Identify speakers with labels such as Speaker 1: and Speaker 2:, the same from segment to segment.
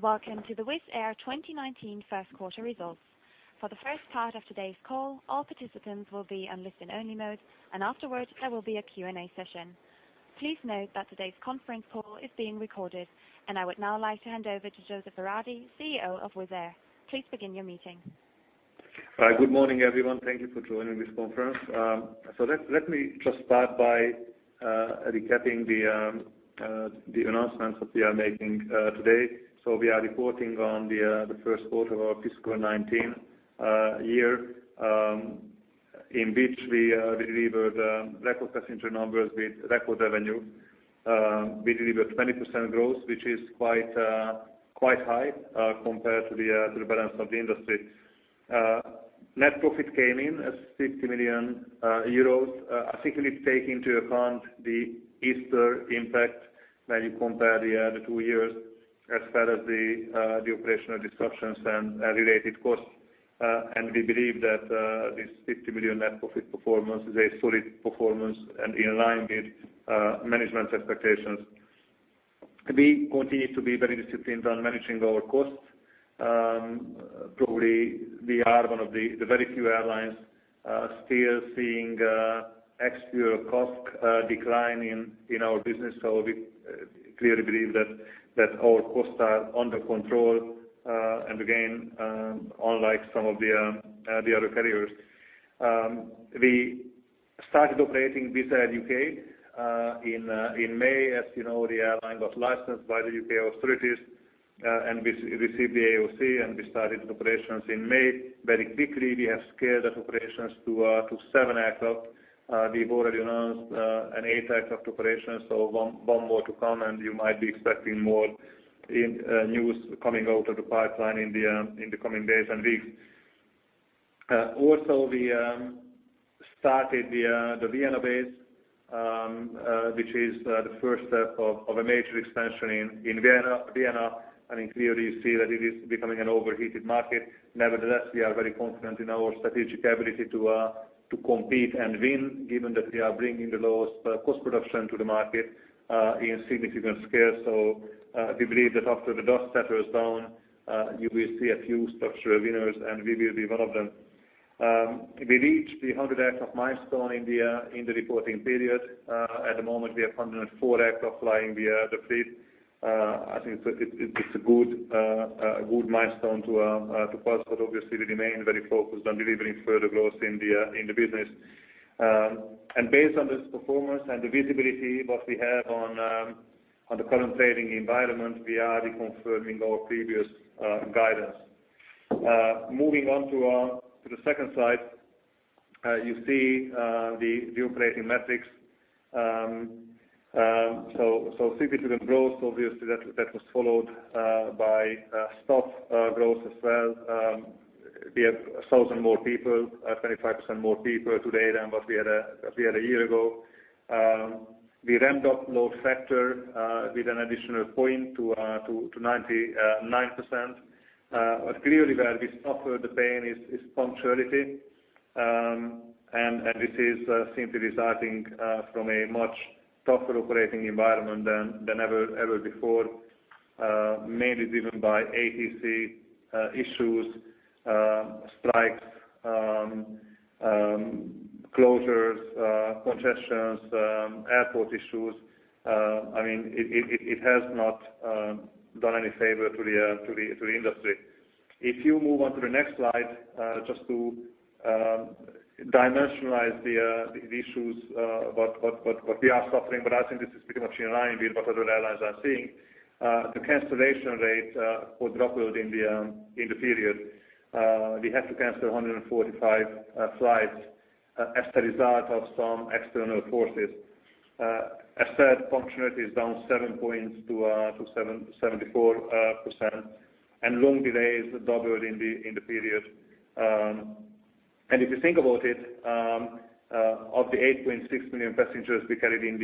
Speaker 1: Welcome to the Wizz Air 2019 first quarter results. For the first part of today's call, all participants will be on listen-only mode, and afterwards there will be a Q&A session. Please note that today's conference call is being recorded. I would now like to hand over to József Váradi, CEO of Wizz Air. Please begin your meeting.
Speaker 2: Hi. Good morning, everyone. Thank you for joining this conference. Let me just start by recapping the announcement that we are making today. We are reporting on the first quarter of our fiscal 2019 year, in which we delivered record passenger numbers with record revenue. We delivered 20% growth, which is quite high compared to the balance of the industry. Net profit came in as 50 million euros, I think if you take into account the Easter impact when you compare the two years, as well as the operational disruptions and related costs. We believe that this 50 million net profit performance is a solid performance and in line with management's expectations. We continue to be very disciplined on managing our costs. Probably we are one of the very few airlines still seeing actual cost decline in our business. We clearly believe that our costs are under control, and again, unlike some of the other carriers. We started operating Wizz Air UK in May. As you know, the airline got licensed by the U.K. authorities, and we received the AOC, and we started operations in May. Very quickly, we have scaled up operations to seven aircraft. We've already announced an eighth aircraft operation, so one more to come, and you might be expecting more news coming out of the pipeline in the coming days and weeks. Also, we started the Vienna base, which is the first step of a major expansion in Vienna, and clearly you see that it is becoming an overheated market. Nevertheless, we are very confident in our strategic ability to compete and win, given that we are bringing the lowest cost production to the market in significant scale. We believe that after the dust settles down, you will see a few structural winners, and we will be one of them. We reached the 100-aircraft milestone in the reporting period. At the moment, we have 104 aircraft flying the fleet. I think it's a good milestone to pass, but obviously we remain very focused on delivering further growth in the business. Based on this performance and the visibility, what we have on the current trading environment, we are reconfirming our previous guidance. Moving on to the second slide, you see the operating metrics. Significant growth, obviously that was followed by staff growth as well. We have 1,000 more people, 25% more people today than what we had a year ago. We ramped up load factor with an additional point to 92%. Clearly where we suffered the pain is punctuality, this is simply resulting from a much tougher operating environment than ever before. Mainly driven by ATC issues, strikes, closures, congestions, airport issues. It has not done any favor to the industry. If you move on to the next slide, just to dimensionalize the issues what we are suffering, but I think this is pretty much in line with what other airlines are seeing. The cancellation rate quadrupled in the period. We had to cancel 145 flights as the result of some external forces. As said, punctuality is down seven points to 74%, and long delays doubled in the period. If you think about it, of the 8.6 million passengers we carried in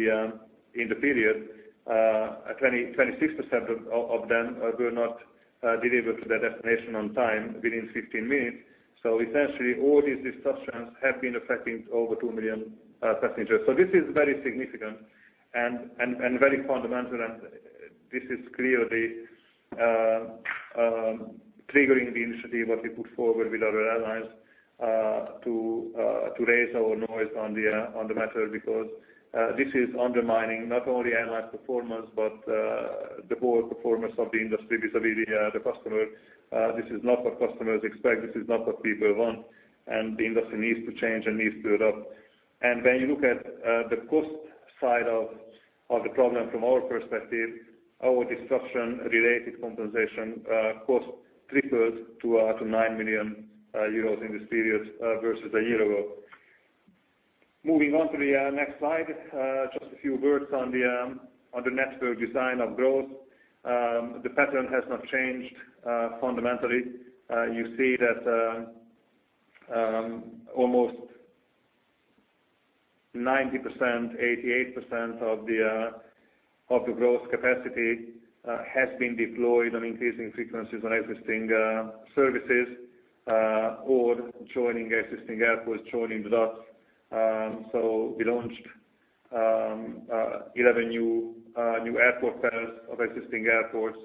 Speaker 2: the period, 26% of them were not delivered to their destination on time within 15 minutes. Essentially all these disruptions have been affecting over 2 million passengers. This is very significant and very fundamental, this is clearly triggering the initiative what we put forward with other airlines to raise our noise on the matter, because this is undermining not only airline performance, but the whole performance of the industry vis-a-vis the customer. This is not what customers expect, this is not what people want, the industry needs to change and needs to adapt. When you look at the cost side of the problem from our perspective, our disruption-related compensation cost tripled to 9 million euros in this period versus a year ago. Moving on to the next slide. Just a few words on the network design of growth. The pattern has not changed fundamentally. You see that almost 90%, 88% of the growth capacity has been deployed on increasing frequencies on existing services, or joining existing airports, joining the dots. We launched 11 new airport pairs of existing airports.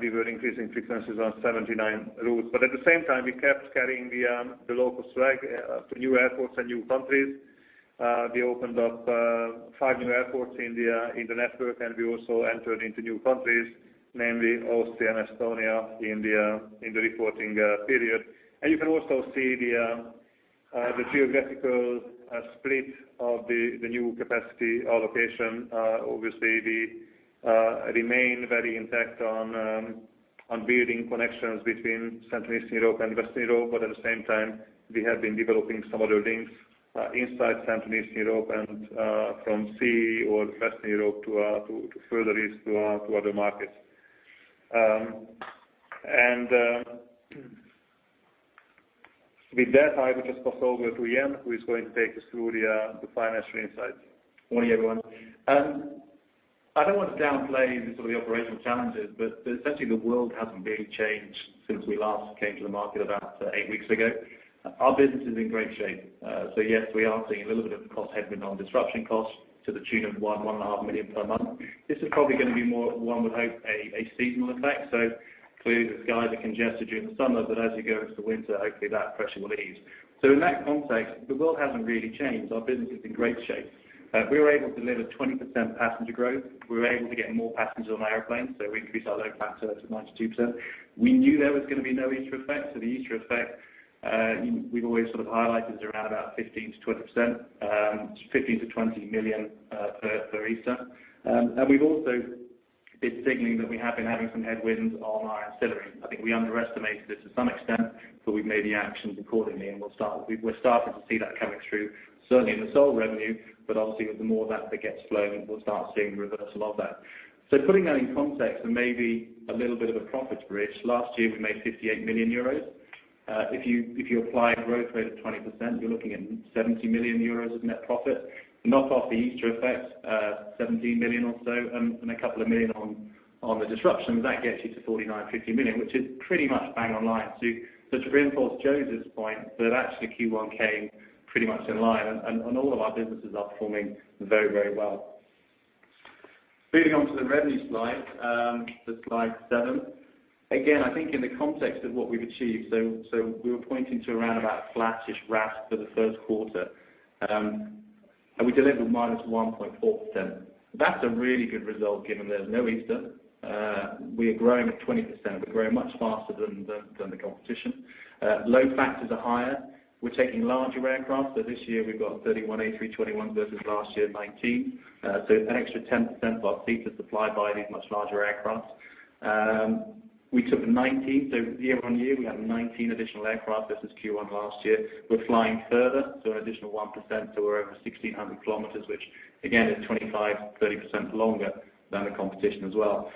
Speaker 2: We were increasing frequencies on 79 routes. At the same time, we kept carrying the local swag to new airports and new countries. We opened up five new airports in the network, we also entered into new countries, namely Austria and Estonia, in the reporting period. You can also see the geographical split of the new capacity allocation. Obviously, we remain very intact on building connections between Central Eastern Europe and Western Europe. At the same time, we have been developing some other links inside Central Eastern Europe and from CEE, or Western Europe, to further east to other markets. With that, I would just pass over to Ian, who is going to take us through the financial insights.
Speaker 3: Morning, everyone. I don't want to downplay the sort of operational challenges. Essentially, the world hasn't really changed since we last came to the market about 8 weeks ago. Our business is in great shape. Yes, we are seeing a little bit of cost headwind on disruption costs to the tune of 1 million-1.5 million per month. This is probably going to be more, one would hope, a seasonal effect. Clearly, the skies are congested during the summer, but as we go into winter, hopefully that pressure will ease. In that context, the world hasn't really changed. Our business is in great shape. We were able to deliver 20% passenger growth. We were able to get more passengers on airplanes, so we increased our load factor to 92%. We knew there was going to be no Easter effect. The Easter effect, we've always sort of highlighted, is around about 15 million-20 million per Easter. We've also been signaling that we have been having some headwinds on our ancillary. I think we underestimated it to some extent, but we've made the actions accordingly, and we're starting to see that coming through, certainly in the ancillary revenue. Obviously, the more that that gets flowing, we'll start seeing the reversal of that. Putting that in context and maybe a little bit of a profit bridge, last year we made 58 million euros. If you apply a growth rate of 20%, you're looking at 70 million euros of net profit. Knock off the Easter effect, 17 million or so, and 2 million on the disruption. That gets you to 49 million-50 million, which is pretty much bang on line. To reinforce József's point that actually Q1 came pretty much in line, and all of our businesses are performing very, very well. Moving on to the revenue slide, to slide seven. Again, I think in the context of what we've achieved, we were pointing to around about flattish RASK for the first quarter, and we delivered -1.4%. That's a really good result given there's no Easter. We are growing at 20%, but growing much faster than the competition. Load factors are higher. We're taking larger aircraft. This year we've got 31 A321 versus last year, 19. An extra 10% of our seats are supplied by these much larger aircraft. We took 19, so year-on-year, we have 19 additional aircraft versus Q1 last year. We're flying further, so an additional 1%, so we're over 1,600 kilometers, which again, is 25%-30% longer than the competition as well.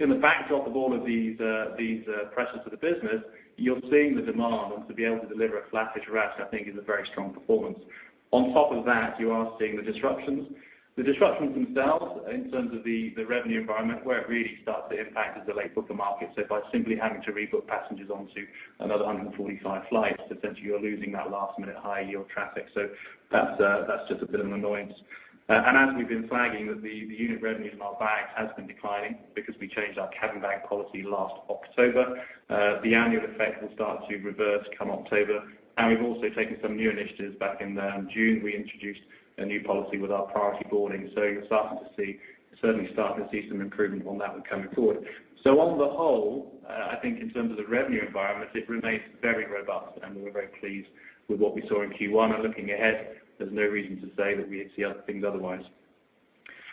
Speaker 3: In the backdrop of all of these pressures for the business, you're seeing the demand, and to be able to deliver a flattish RASK, I think, is a very strong performance. On top of that, you are seeing the disruptions. The disruptions themselves, in terms of the revenue environment, where it really starts to impact is the late booker market. By simply having to rebook passengers onto another 145 flights, essentially, you're losing that last-minute high-yield traffic. That's just a bit of an annoyance. As we've been flagging that the unit revenue in our bags has been declining because we changed our cabin bag policy last October. The annual effect will start to reverse come October. We've also taken some new initiatives back in June. We introduced a new policy with our WIZZ Priority boarding. You're certainly starting to see some improvement on that one coming forward. On the whole, I think in terms of the revenue environment, it remains very robust, and we're very pleased with what we saw in Q1. Looking ahead, there's no reason to say that we see other things otherwise.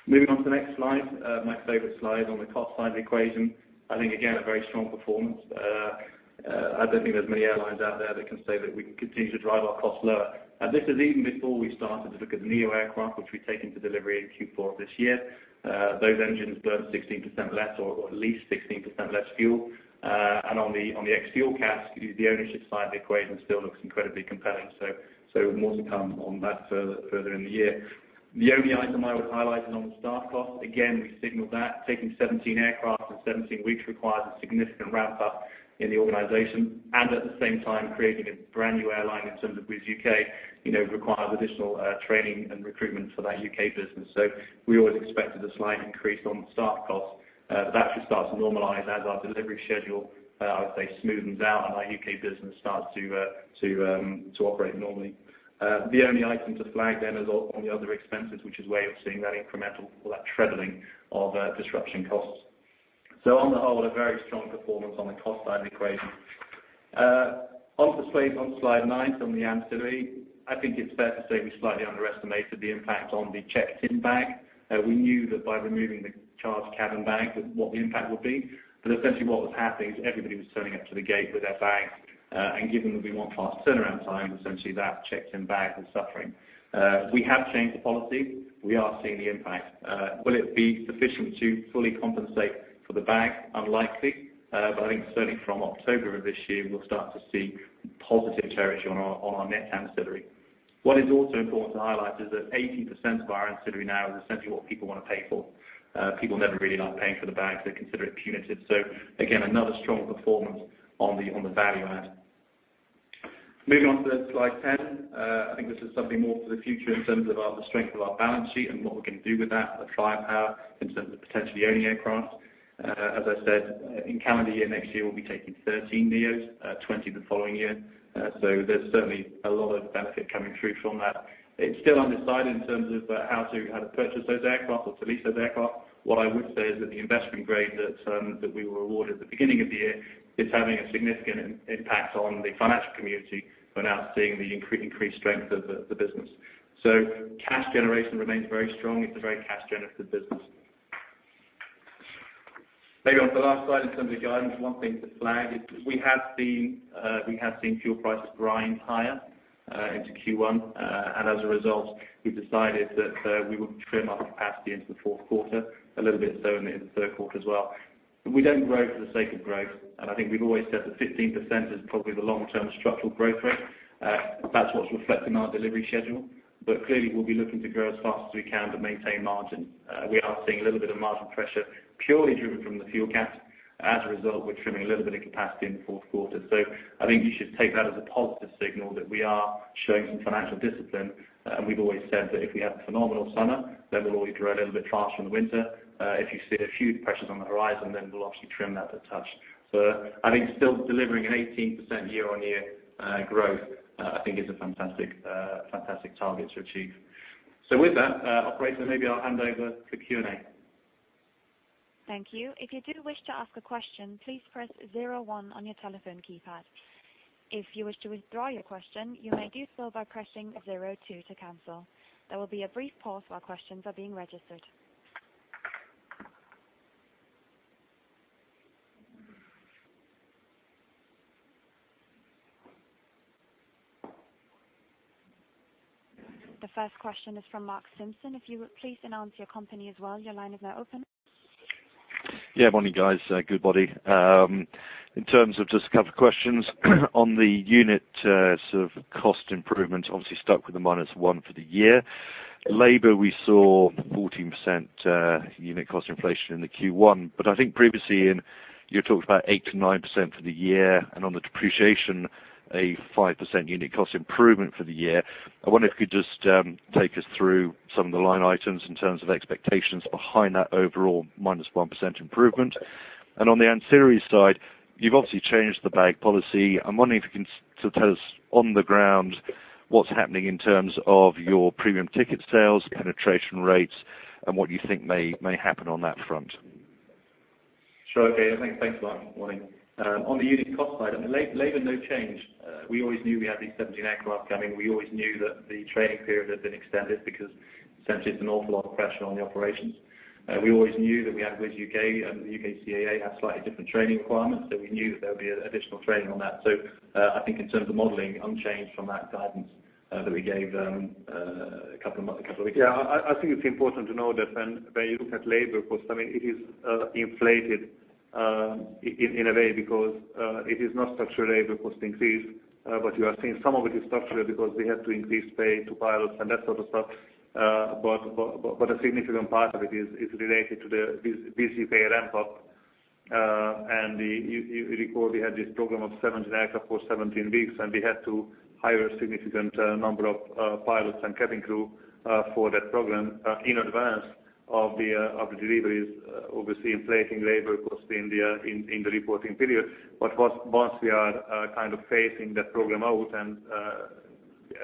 Speaker 3: Moving on to the next slide, my favorite slide on the cost side of the equation. I think, again, a very strong performance. I don't think there's many airlines out there that can say that we can continue to drive our costs lower. This is even before we started to look at the neo aircraft, which we take into delivery in Q4 of this year. Those engines burn 16% less, or at least 16% less fuel. On the ex-fuel cost, the ownership side of the equation still looks incredibly compelling. More to come on that further in the year. The only item I would highlight is on staff cost. Again, we signaled that taking 17 aircraft in 17 weeks requires a significant ramp-up in the organization, and at the same time, creating a brand new airline in terms of Wizz UK requires additional training and recruitment for that U.K. business. We always expected a slight increase on staff cost. That should start to normalize as our delivery schedule, I would say, smoothens out and our U.K. business starts to operate normally. The only item to flag then is on the other expenses, which is where you're seeing that incremental, or that trebling of disruption costs. On the whole, a very strong performance on the cost side of the equation. On to slide nine, on the ancillary. I think it's fair to say we slightly underestimated the impact on the checked-in bag. We knew that by removing the charged cabin bag, what the impact would be. Essentially what was happening is everybody was turning up to the gate with their bag. Given that we want fast turnaround time, essentially that checked-in bag was suffering. We have changed the policy. We are seeing the impact. Will it be sufficient to fully compensate for the bag? Unlikely. I think certainly from October of this year, we'll start to see positive territory on our net ancillary. What is also important to highlight is that 80% of our ancillary now is essentially what people want to pay for. People never really like paying for the bags. They consider it punitive. Again, another strong performance on the value add. Moving on to slide 10. I think this is something more for the future in terms of the strength of our balance sheet and what we can do with that, the firepower in terms of potentially owning aircraft. As I said, in calendar year next year, we'll be taking 13 neos, 20 the following year. There's certainly a lot of benefit coming through from that. It's still undecided in terms of how to purchase those aircraft or to lease those aircraft. What I would say is that the investment grade that we were awarded at the beginning of the year is having a significant impact on the financial community, who are now seeing the increased strength of the business. Cash generation remains very strong. It's a very cash-generative business. Maybe on to the last slide in terms of guidance, one thing to flag is we have seen fuel prices grind higher into Q1. As a result, we've decided that we will trim our capacity into the fourth quarter, a little bit certainly in the third quarter as well. We don't grow for the sake of growth. I think we've always said that 15% is probably the long-term structural growth rate. That's what's reflected in our delivery schedule. Clearly, we'll be looking to grow as fast as we can to maintain margin. We are seeing a little bit of margin pressure purely driven from the fuel cost. As a result, we're trimming a little bit of capacity in the fourth quarter. I think you should take that as a positive signal that we are showing some financial discipline. We've always said that if we have a phenomenal summer, then we'll always grow a little bit faster in the winter. If you see a few pressures on the horizon, then we'll obviously trim that a touch. I think still delivering an 18% year-on-year growth I think is a fantastic target to achieve. With that, operator, maybe I'll hand over to Q&A.
Speaker 1: Thank you. If you do wish to ask a question, please press 01 on your telephone keypad. If you wish to withdraw your question, you may do so by pressing 02 to cancel. There will be a brief pause while questions are being registered. The first question is from Mark Simpson. If you would please announce your company as well, your line is now open.
Speaker 4: Yeah. Morning, guys. Goodbody. In terms of just a couple of questions on the unit sort of cost improvement, obviously stuck with the -1% for the year. Labor, we saw 14% unit cost inflation in the Q1. I think previously, you talked about 8%-9% for the year, and on the depreciation, a 5% unit cost improvement for the year. I wonder if you could just take us through some of the line items in terms of expectations behind that overall -1% improvement. On the ancillary side, you've obviously changed the bag policy. I'm wondering if you can tell us on the ground what's happening in terms of your premium ticket sales, penetration rates, and what you think may happen on that front.
Speaker 3: Sure. Okay. Thanks, Mark. Morning. On the unit cost side, on labor, no change. We always knew we had these 17 aircraft coming. We always knew that the training period had been extended because essentially it's an awful lot of pressure on the operations. We always knew that we had WizzUK and the UK CAA had slightly different training requirements, so we knew that there would be additional training on that. I think in terms of modeling, unchanged from that guidance that we gave a couple of weeks ago.
Speaker 2: I think it's important to know that when you look at labor cost, it is inflated in a way because it is not structural labor cost increase. You are seeing some of it is structural because we had to increase pay to pilots and that sort of stuff. A significant part of it is related to the WizzUK ramp up. You recall we had this program of seven aircraft for 17 weeks, and we had to hire a significant number of pilots and cabin crew for that program in advance of the deliveries, obviously inflating labor cost in the reporting period. Once we are kind of phasing that program out and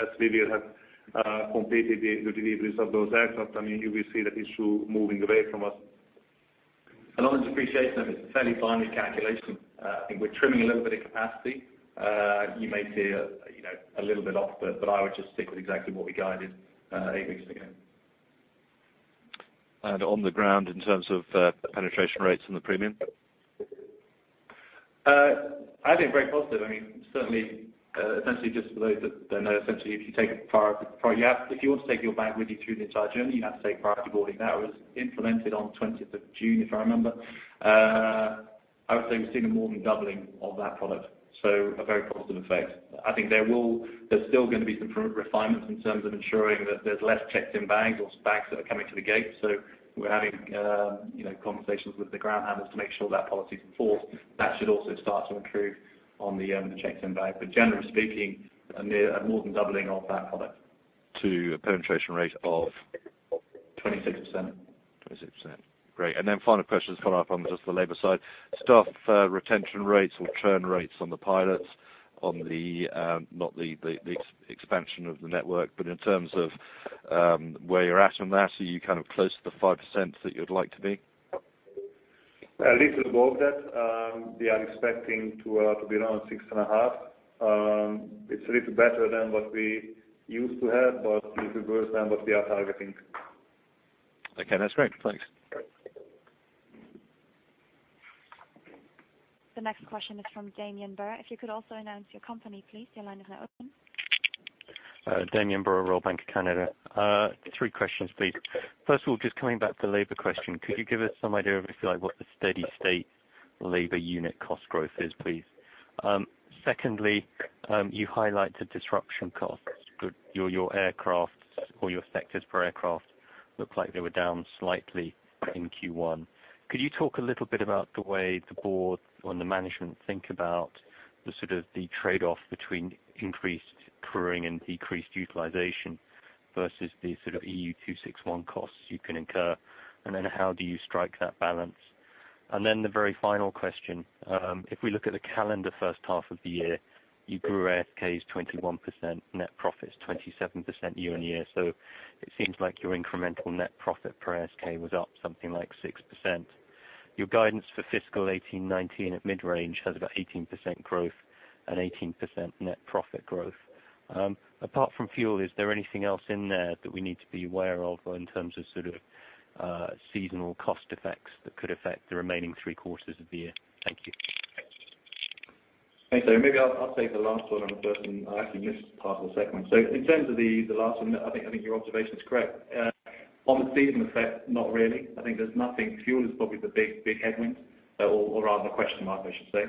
Speaker 2: as we will have completed the deliveries of those aircraft, you will see that issue moving away from us.
Speaker 3: On the depreciation, it's a fairly fine calculation. I think we're trimming a little bit of capacity. You may see a little bit off, but I would just stick with exactly what we guided eight weeks ago.
Speaker 4: On the ground in terms of penetration rates and the premium?
Speaker 3: I think very positive. Certainly, essentially just for those that don't know, essentially, if you want to take your bag with you through the entire journey, you have to pay for WIZZ Priority. That was implemented on the 20th of June, if I remember. I would say we've seen a more than doubling of that product, so a very positive effect. I think there's still going to be some refinements in terms of ensuring that there's less checked-in bags or bags that are coming to the gate. We're having conversations with the ground handlers to make sure that policy's enforced. That should also start to accrue on the checked-in bags. Generally speaking, a more than doubling of that product.
Speaker 4: To a penetration rate of?
Speaker 3: 26%.
Speaker 4: 26%. Great. Final question to follow up on just the labor side. Staff retention rates or churn rates on the pilots, not the expansion of the network, but in terms of where you're at on that. Are you kind of close to the 5% that you'd like to be?
Speaker 2: A little above that. We are expecting to be around six and a half. It's a little better than what we used to have, but a little worse than what we are targeting.
Speaker 4: Okay. That's great. Thanks.
Speaker 1: The next question is from Damian Burt. If you could also announce your company, please. Your line is now open.
Speaker 5: Damian Burt, Royal Bank of Canada. Three questions, please. First of all, just coming back to the labor question, could you give us some idea of what the steady state labor unit cost growth is, please? Secondly, you highlight the disruption costs, but your aircrafts or your sectors per aircraft looked like they were down slightly in Q1. Could you talk a little bit about the way the board or the management think about the sort of trade-off between increased crewing and decreased utilization? Versus the EU261 costs you can incur. How do you strike that balance? The very final question, it seems like your incremental net profit per ASK was up something like 6% if we look at the calendar first half of the year, you grew ASK is 21%, net profits 27% year-on-year. Your guidance for fiscal 2018-2019 at mid-range has about 18% growth and 18% net profit growth. Apart from fuel, is there anything else in there that we need to be aware of in terms of seasonal cost effects that could affect the remaining three quarters of the year? Thank you.
Speaker 3: Thanks. Maybe I'll take the last one and the first one. I actually missed part of the second one. In terms of the last one, I think your observation is correct. On the season effect, not really. I think there's nothing. Fuel is probably the big headwind, or rather the question mark, I should say.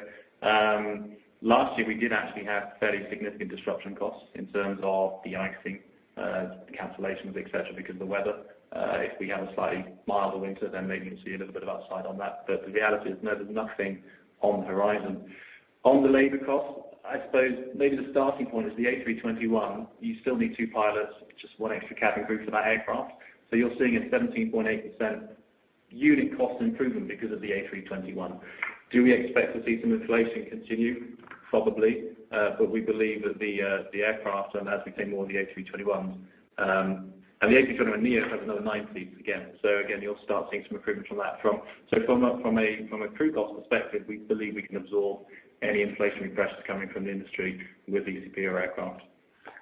Speaker 3: Last year, we did actually have fairly significant disruption costs in terms of de-icing cancellations, et cetera, because of the weather. If we have a slightly milder winter, then maybe we'll see a little bit of upside on that. The reality is no, there's nothing on the horizon. On the labor cost, I suppose maybe the starting point is the A321. You still need two pilots, just one extra cabin crew for that aircraft. You're seeing a 17.8% unit cost improvement because of the A321. Do we expect to see some inflation continue? Probably. We believe that the aircraft and as we take more of the A321s, and the A321neo has another nine seats again. Again, you'll start seeing some improvement from that. From a crew cost perspective, we believe we can absorb any inflationary pressures coming from the industry with these newer aircraft.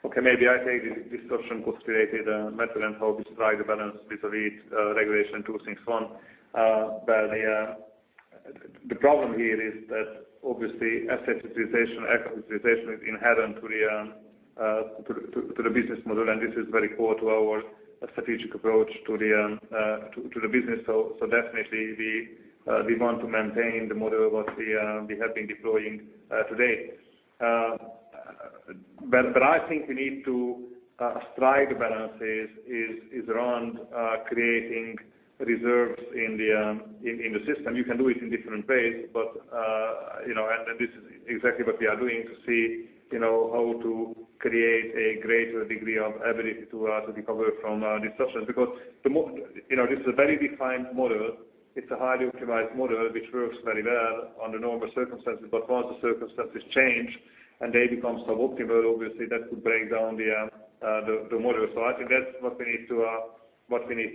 Speaker 2: Okay. Maybe I take the disruption cost related method and how we strike a balance vis-à-vis Regulation 261. The problem here is that obviously asset utilization, asset utilization is inherent to the business model, and this is very core to our strategic approach to the business. Definitely we want to maintain the model what we have been deploying today. I think we need to strike balances is around creating reserves in the system. You can do it in different ways, and this is exactly what we are doing to see how to create a greater degree of ability to recover from disruptions. This is a very defined model. It's a highly optimized model which works very well under normal circumstances. Once the circumstances change and they become sub-optimal, obviously that could break down the model. I think that's what we need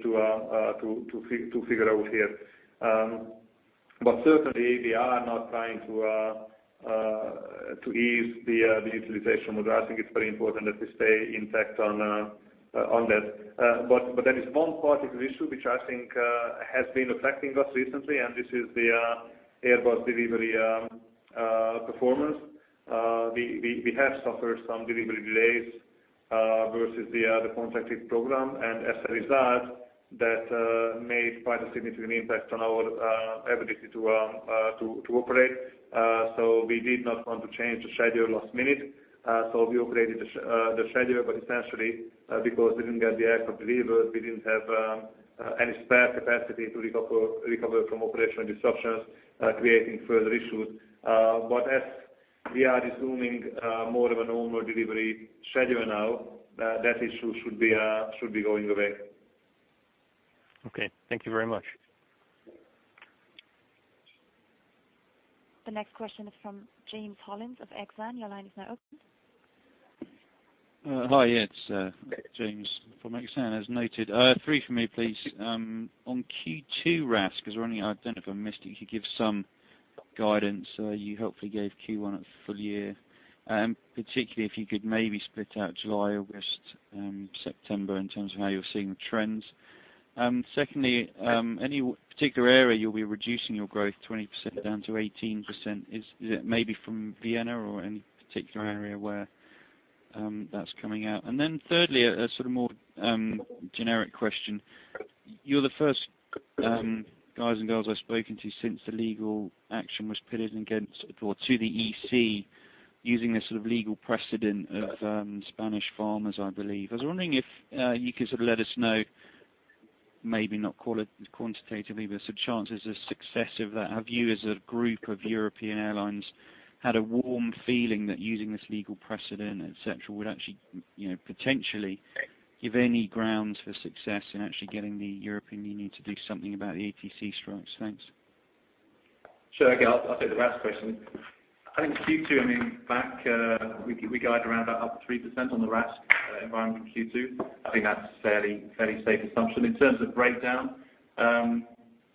Speaker 2: to figure out here. Certainly, we are not trying to ease the utilization model. I think it's very important that we stay intact on that. There is one particular issue which I think has been affecting us recently, and this is the Airbus delivery performance. We have suffered some delivery delays versus the contracted program. As a result, that made quite a significant impact on our ability to operate. We did not want to change the schedule last minute. We upgraded the schedule, essentially because we didn't get the aircraft delivered, we didn't have any spare capacity to recover from operational disruptions, creating further issues. As we are resuming more of a normal delivery schedule now, that issue should be going away.
Speaker 5: Okay. Thank you very much.
Speaker 1: The next question is from James Hollins of Exane. Your line is now open.
Speaker 6: Hi, it's James from Exane, as noted. Three from me, please. On Q2 RASK, I was wondering, I don't know if I missed it, if you could give some guidance. You helpfully gave Q1 at full year. Particularly if you could maybe split out July, August, September in terms of how you're seeing the trends. Secondly, any particular area you'll be reducing your growth 20% down to 18%, is it maybe from Vienna or any particular area where that's coming out? Thirdly, a sort of more generic question. You're the first guys and girls I've spoken to since the legal action was pitted to the EC using the sort of legal precedent of Spanish farmers, I believe. I was wondering if you could sort of let us know, maybe not quantitatively, but sort of chances of success of that. Have you as a group of European airlines had a warm feeling that using this legal precedent, et cetera, would actually potentially give any grounds for success in actually getting the European Union to do something about the ATC strikes? Thanks.
Speaker 3: I'll take the RASK question. I think Q2, I mean, back, we guide around about up 3% on the RASK environment in Q2. I think that's a fairly safe assumption. In terms of breakdown,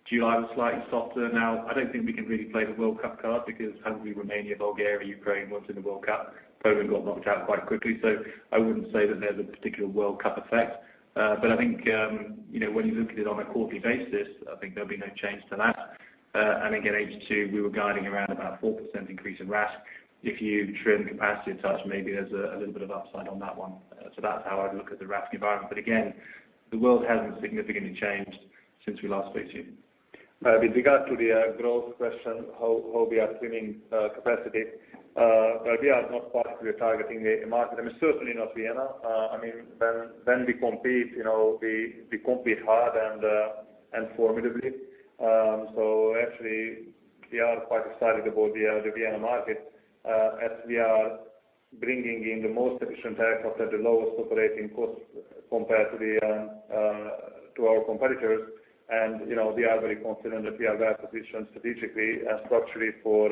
Speaker 3: July was slightly softer. I don't think we can really play the World Cup card because Hungary, Romania, Bulgaria, Ukraine weren't in the World Cup. Poland got knocked out quite quickly. I wouldn't say that there's a particular World Cup effect. I think when you look at it on a quarterly basis, I think there'll be no change to that. H2, we were guiding around about 4% increase in RASK. If you trim capacity a touch, maybe there's a little bit of upside on that one. That's how I'd look at the RASK environment. The world hasn't significantly changed since we last spoke to you.
Speaker 2: With regard to the growth question, how we are trimming capacity, we are not particularly targeting a market. I mean, certainly not Vienna. I mean, when we compete, we compete hard and formidably. Actually we are quite excited about the Vienna market as we are bringing in the most efficient aircraft at the lowest operating cost compared to our competitors. We are very confident that we are well-positioned strategically and structurally for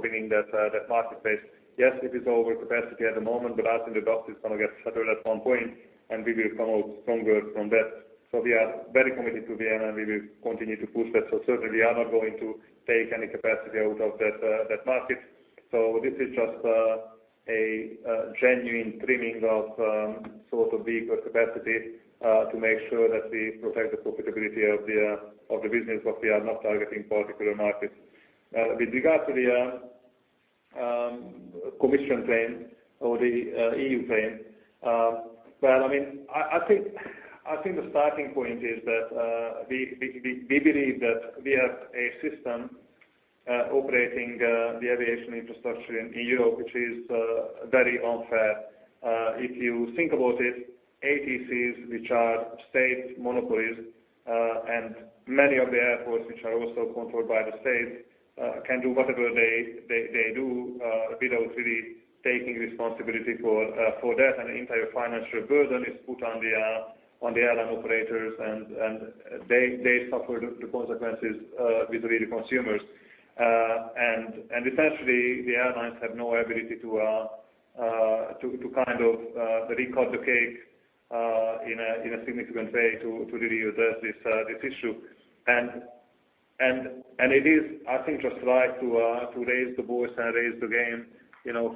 Speaker 2: bringing that marketplace. Yes, it is overcapacity at the moment, I think the dust is going to get settled at one point, and we will come out stronger from that. We are very committed to Vienna, and we will continue to push that. Certainly, we are not going to take any capacity out of that market. This is just a genuine trimming of sort of the overcapacity to make sure that we protect the profitability of the business, but we are not targeting particular markets. With regard to the commission claim or the EU claim, I think the starting point is that we believe that we have a system operating the aviation infrastructure in Europe, which is very unfair. If you think about it, ATCs, which are state monopolies, and many of the airports, which are also controlled by the state, can do whatever they do without really taking responsibility for that. The entire financial burden is put on the airline operators, and they suffer the consequences vis-a-vis the consumers. Essentially, the airlines have no ability to recut the cake in a significant way to really address this issue. It is, I think, just right to raise the voice and raise the game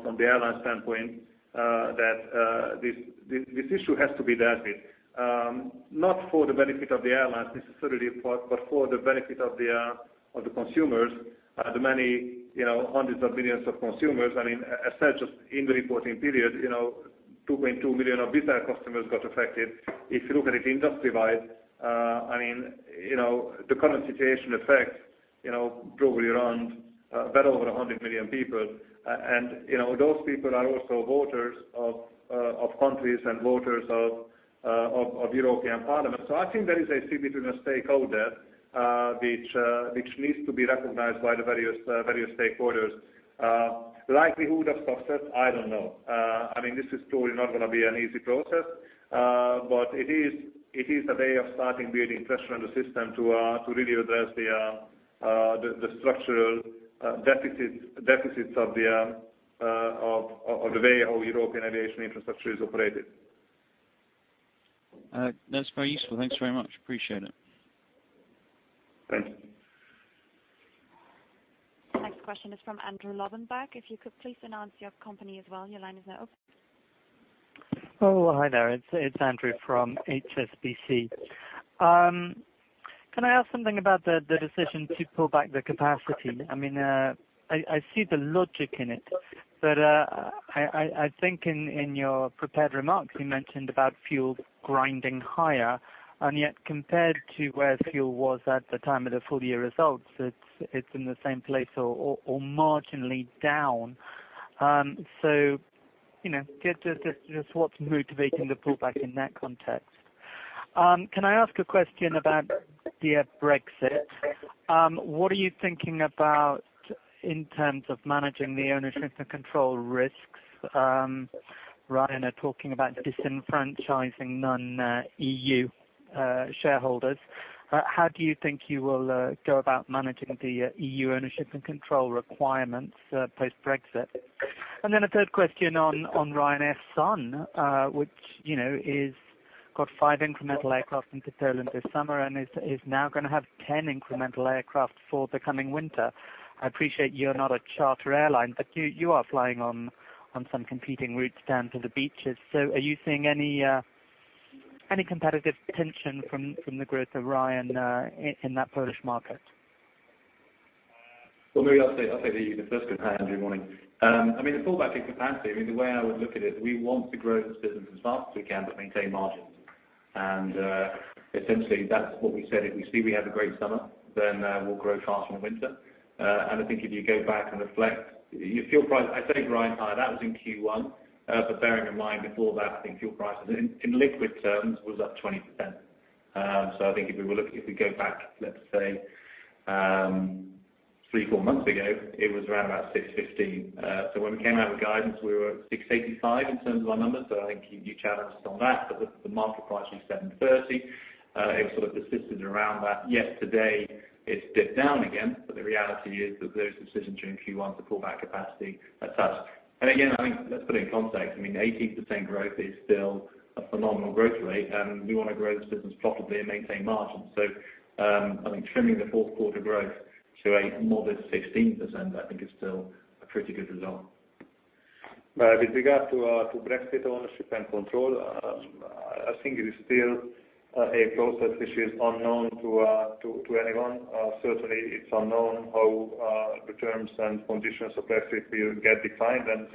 Speaker 2: from the airline standpoint that this issue has to be dealt with. Not for the benefit of the airlines necessarily, but for the benefit of the consumers, the many hundreds of millions of consumers. Just in the reporting period, 2.2 million of Wizz Air customers got affected. If you look at it industry-wide, the current situation affects probably around a bit over 100 million people. Those people are also voters of countries and voters of European Parliament. I think there is a significant stakeholder which needs to be recognized by the various stakeholders. Likelihood of success? I don't know. This is truly not going to be an easy process, but it is a way of starting building pressure on the system to really address the structural deficits of the way our European aviation infrastructure is operated.
Speaker 6: That's very useful. Thanks very much. Appreciate it.
Speaker 2: Thank you.
Speaker 1: Next question is from Andrew Lobbenberg. If you could please announce your company as well. Your line is now open.
Speaker 7: Oh, hi there. It's Andrew from HSBC. Can I ask something about the decision to pull back the capacity? I see the logic in it. I think in your prepared remarks, you mentioned about fuel grinding higher, and yet compared to where fuel was at the time of the full-year results, it's in the same place or marginally down. Just what's motivating the pullback in that context? Can I ask a question about the Brexit? What are you thinking about in terms of managing the ownership and control risks? Ryanair talking about disenfranchising non-EU shareholders. How do you think you will go about managing the EU ownership and control requirements post-Brexit? A third question on Ryanair Sun, which has got 5 incremental aircraft into Poland this summer and is now going to have 10 incremental aircraft for the coming winter. I appreciate you're not a charter airline. You are flying on some competing routes down to the beaches. Are you seeing any competitive tension from the growth of Ryanair in that Polish market?
Speaker 3: Well, maybe I'll take the first bit, Andrew. Morning. The pullback in capacity, the way I would look at it, we want to grow this business as fast as we can but maintain margins. Essentially, that's what we said. If we see we have a great summer, we'll grow faster in winter. I think if you go back and reflect, your fuel price, I said it was higher. That was in Q1. Bearing in mind before that, I think fuel prices in liquid terms was up 20%. I think if we go back, let's say 3, 4 months ago, it was around about 615. When we came out with guidance, we were at 685 in terms of our numbers. I think you challenged us on that, but the market price was 730. It sort of persisted around that. Yes, today it's dipped down again. The reality is that those decisions during Q1 to pull back capacity are such. Again, I think let's put it in context. 18% growth is still a phenomenal growth rate, and we want to grow this business profitably and maintain margins. I think trimming the fourth quarter growth to a modest 16%, I think, is still a pretty good result.
Speaker 2: With regard to Brexit ownership and control, I think it is still a process which is unknown to anyone. Certainly, it's unknown how the terms and conditions of Brexit will get defined, and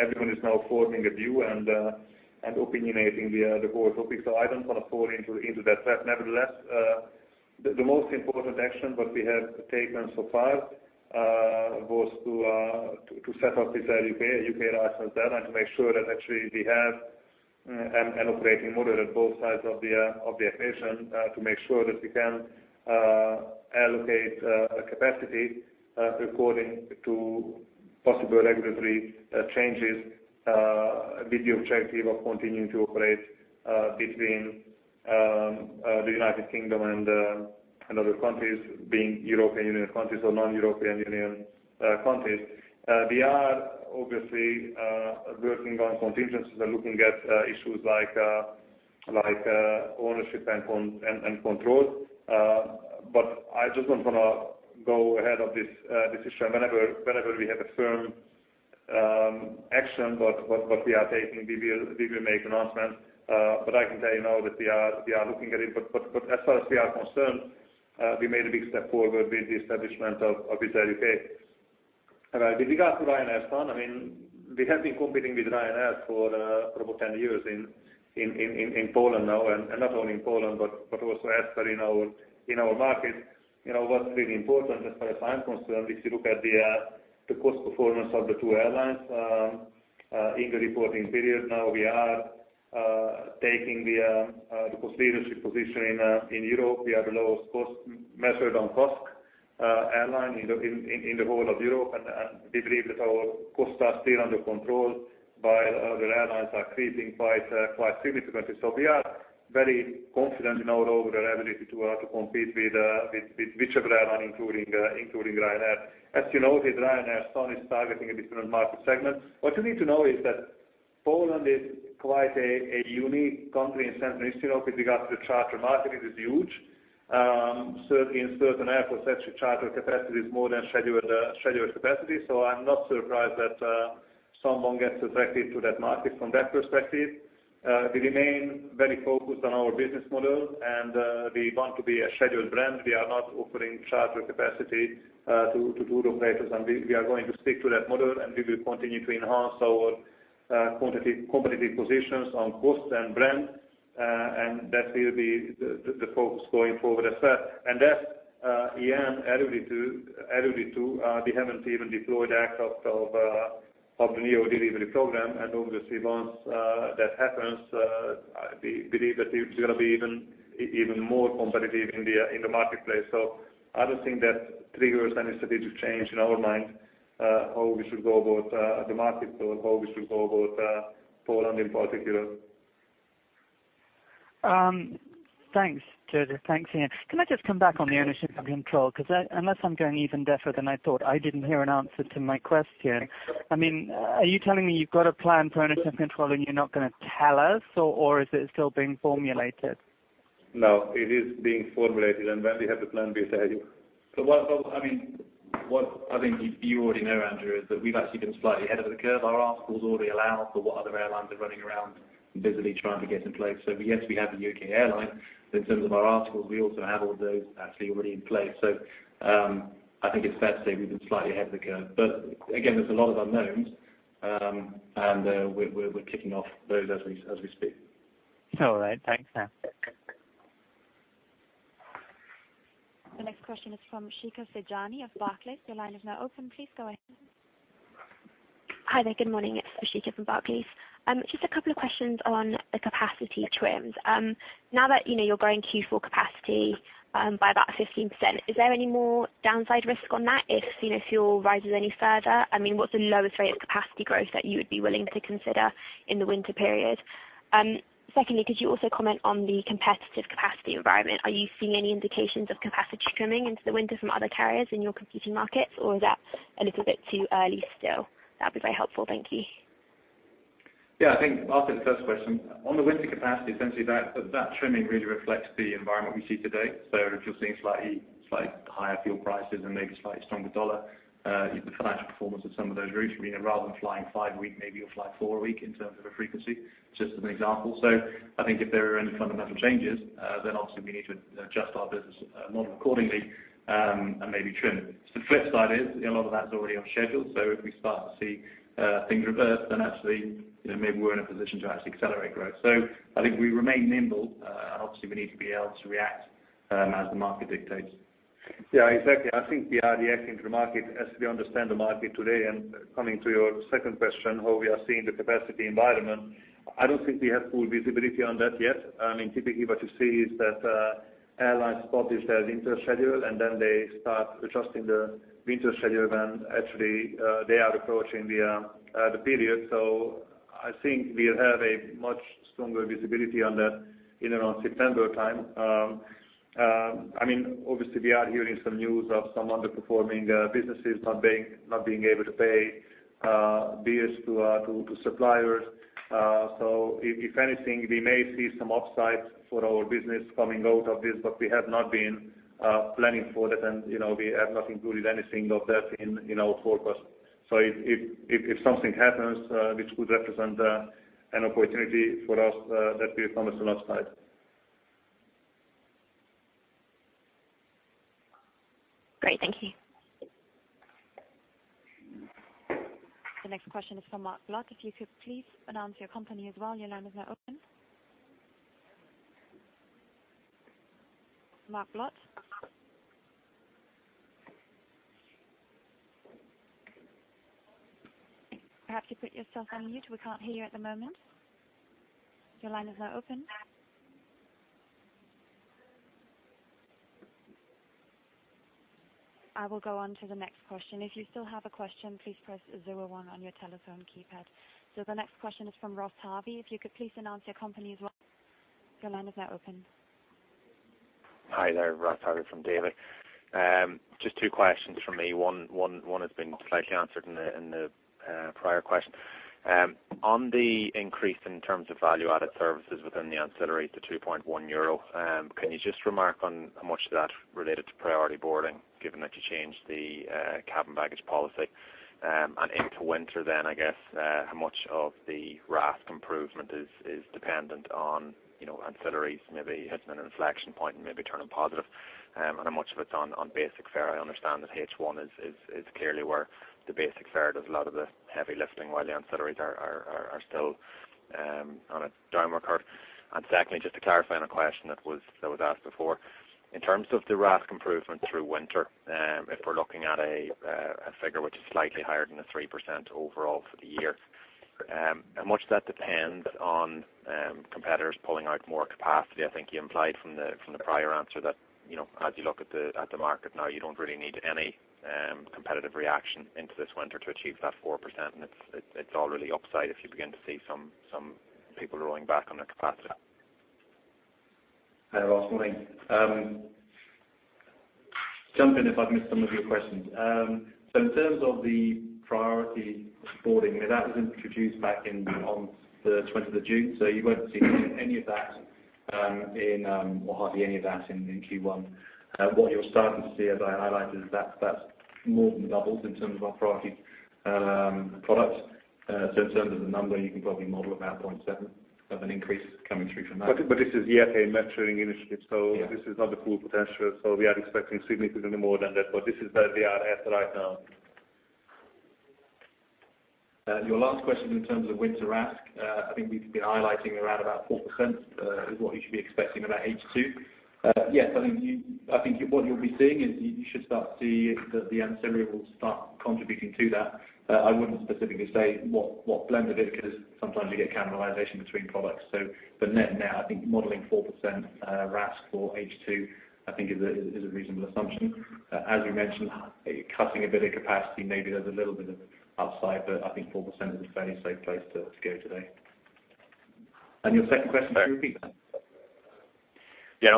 Speaker 2: everyone is now forming a view and opinionating the whole topic. I don't want to fall into that trap. Nevertheless, the most important action that we have taken so far was to set up Wizz Air UK, a U.K. licensed airline, to make sure that actually we have an operating model at both sides of the aviation, to make sure that we can allocate capacity according to possible regulatory changes with the objective of continuing to operate between the United Kingdom and other countries, being European Union countries or non-European Union countries. We are obviously working on contingencies and looking at issues like ownership and control. I just don't want to go ahead of this decision. Whenever we have a firm action what we are taking, we will make announcements. I can tell you now that we are looking at it. As far as we are concerned, we made a big step forward with the establishment of Wizz Air UK. With regard to Ryanair Sun, we have been competing with Ryanair for about 10 years in Poland now. Not only in Poland, but also elsewhere in our market. What's really important, as far as I'm concerned, if you look at the cost performance of the two airlines in the reporting period, now we are taking the cost leadership position in Europe. We are the lowest cost measured on CASK airline in the whole of Europe. We believe that our costs are still under control while other airlines are increasing quite significantly. We are very confident in our overall ability to compete with whichever airline, including Ryanair. As you noted, Ryanair Sun is targeting a different market segment. What you need to know is that Poland is quite a unique country in Central and Eastern Europe with regards to the charter market. It is huge. In certain airports, actually, charter capacity is more than scheduled capacity. I'm not surprised that someone gets attracted to that market from that perspective. We remain very focused on our business model, we want to be a scheduled brand. We are not offering charter capacity to tour operators, we are going to stick to that model, we will continue to enhance our competitive positions on cost and brand. That will be the focus going forward as well. That, Ian alluded to, we haven't even deployed the aircraft of the neo delivery program. Obviously, once that happens, I believe that it's going to be even more competitive in the marketplace. I don't think that triggers any strategic change in our mind how we should go about the market or how we should go about Poland in particular.
Speaker 7: Thanks, József. Thanks, Ian. Can I just come back on the ownership and control? Unless I'm going even deafer than I thought, I didn't hear an answer to my question. Are you telling me you've got a plan for ownership and control, and you're not going to tell us, or is it still being formulated?
Speaker 2: No, it is being formulated, and when we have the plan, we'll tell you.
Speaker 3: I think you already know, Andrew, is that we've actually been slightly ahead of the curve. Our articles already allow for what other airlines are running around busily trying to get in place. Yes, we have a U.K. airline, in terms of our articles, we also have all those actually already in place. I think it's fair to say we've been slightly ahead of the curve. Again, there's a lot of unknowns, and we're kicking off those as we speak.
Speaker 7: All right. Thanks.
Speaker 1: The next question is from Shikha Sijani of Barclays. Your line is now open. Please go ahead.
Speaker 8: Hi there. Good morning. It's Shikha from Barclays. Just a couple of questions on the capacity trims. Now that you're growing Q4 capacity by about 15%, is there any more downside risk on that if fuel rises any further? What's the lowest rate of capacity growth that you would be willing to consider in the winter period? Secondly, could you also comment on the competitive capacity environment? Are you seeing any indications of capacity trimming into the winter from other carriers in your competing markets, or is that a little bit too early still? That'd be very helpful. Thank you.
Speaker 3: Yeah. I think I'll take the first question. On the winter capacity, essentially, that trimming really reflects the environment we see today. If you're seeing slightly higher fuel prices and maybe slightly stronger dollar, the financial performance of some of those routes, rather than flying five a week, maybe you'll fly four a week in terms of a frequency, just as an example. I think if there are any fundamental changes, then obviously we need to adjust our business model accordingly and maybe trim. The flip side is a lot of that is already on schedule. If we start to see things reverse, then actually, maybe we're in a position to actually accelerate growth. I think we remain nimble, and obviously, we need to be able to react as the market dictates.
Speaker 2: Yeah, exactly. I think we are reacting to the market as we understand the market today. Coming to your second question, how we are seeing the capacity environment. I don't think we have full visibility on that yet. Typically, what you see is that airlines publish their winter schedule, and then they start adjusting the winter schedule when actually they are approaching the period. I think we'll have a much stronger visibility on that in around September time. Obviously, we are hearing some news of some underperforming businesses not being able to pay bills to suppliers. If anything, we may see some upsides for our business coming out of this, but we have not been planning for that, and we have not included anything of that in our forecast. If something happens which could represent an opportunity for us, that will come as an upside.
Speaker 8: Great. Thank you.
Speaker 1: The next question is from Mark Gluck. If you could please announce your company as well. Your line is now open. Mark Blott. Perhaps you put yourself on mute. We can't hear you at the moment. Your line is now open. I will go on to the next question. If you still have a question, please press 01 on your telephone keypad. The next question is from Ross Harvey. If you could please announce your company as well. Your line is now open.
Speaker 9: Hi there, Ross Harvey from Davy. Just two questions from me. One has been slightly answered in the prior question. On the increase in terms of value-added services within the ancillaries to 2.1 euro, can you just remark on how much of that related to priority boarding, given that you changed the cabin baggage policy? Into winter then, I guess, how much of the RASK improvement is dependent on ancillaries maybe hitting an inflection point and maybe turning positive, and how much of it is on basic fare? I understand that H1 is clearly where the basic fare does a lot of the heavy lifting while the ancillaries are still on a downward curve. Secondly, just to clarify on a question that was asked before. In terms of the RASK improvement through winter, if we're looking at a figure which is slightly higher than the 3% overall for the year, how much of that depends on competitors pulling out more capacity? I think you implied from the prior answer that as you look at the market now, you don't really need any competitive reaction into this winter to achieve that 4%, and it's all really upside if you begin to see some people rolling back on their capacity.
Speaker 3: Hi, Ross. Morning. Jump in if I've missed some of your questions. In terms of the priority boarding, that was introduced back on the 20th of June, so you won't see any of that or hardly any of that in Q1. What you're starting to see, as I highlighted, is that's more than doubled in terms of our priority products. In terms of the number, you can probably model about 0.7 of an increase coming through from that.
Speaker 10: This is year-to-date maturing initiatives, this is not the full potential. We are expecting significantly more than that, but this is where we are at right now.
Speaker 3: Your last question in terms of winter RASK, I think we've been highlighting around about 4% is what you should be expecting in H2. Yes, I think what you'll be seeing is you should start to see the ancillary will start contributing to that. I wouldn't specifically say what blend of it, because sometimes you get cannibalization between products. For net now, I think modeling 4% RASK for H2, I think is a reasonable assumption. As you mentioned, cutting a bit of capacity, maybe there's a little bit of upside, but I think 4% is a fairly safe place to go today. Your second question, could you repeat?
Speaker 9: Yeah.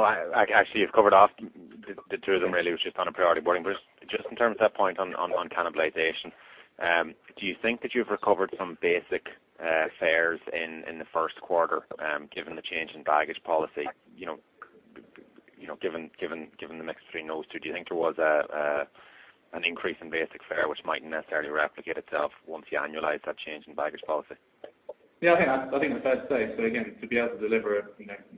Speaker 9: Actually, you've covered off the two of them really, which is on a priority boarding. Just in terms of that point on cannibalization, do you think that you've recovered some basic fares in the first quarter given the change in baggage policy? Given the mix between those two, do you think there was an increase in basic fare which might necessarily replicate itself once you annualize that change in baggage policy?
Speaker 3: Yeah, I think it's fair to say. Again, to be able to deliver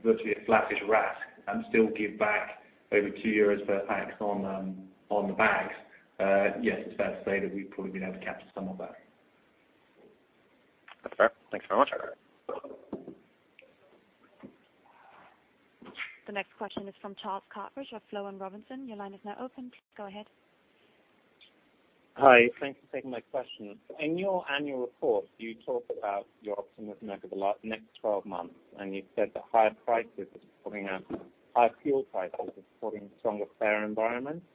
Speaker 3: virtually a flattish RASK and still give back over 2 euros per pax on the bags, yes, it's fair to say that we've probably been able to capture some of that.
Speaker 9: That's fair. Thanks very much.
Speaker 1: The next question is from Charles Carpenter of Flow and Robinson. Your line is now open. Please go ahead.
Speaker 11: Hi, thanks for taking my question. In your annual report, you talk about your optimism over the next 12 months, and you've said that higher fuel prices are supporting stronger fare environments.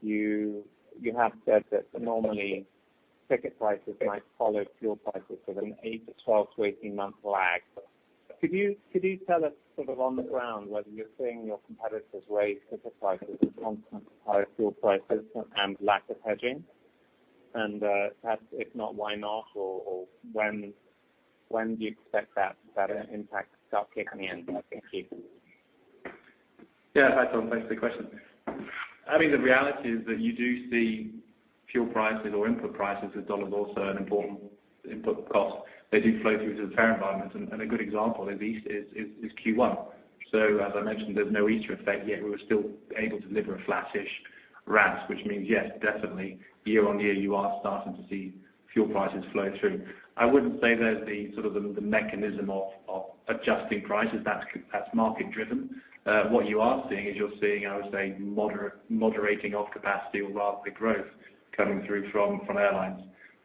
Speaker 11: You've said that normally ticket prices might follow fuel prices with an 8 to 12 to 18-month lag. Could you tell us sort of on the ground whether you're seeing your competitors raise ticket prices on higher fuel prices and lack of hedging? Perhaps if not, why not, or when do you expect that impact to start kicking in? Thank you.
Speaker 3: Yeah, hi Charles. Thanks for the question. I think the reality is that you do see fuel prices or input prices as dollars also an important input cost. They do flow through to the fare environment, and a good example is Q1. As I mentioned, there's no Easter effect yet. We were still able to deliver a flattish RASK, which means, yes, definitely year-over-year, you are starting to see fuel prices flow through. I wouldn't say there's the mechanism of adjusting prices. That's market-driven. What you are seeing is you're seeing, I would say, moderating of capacity or RASK growth coming through from airlines.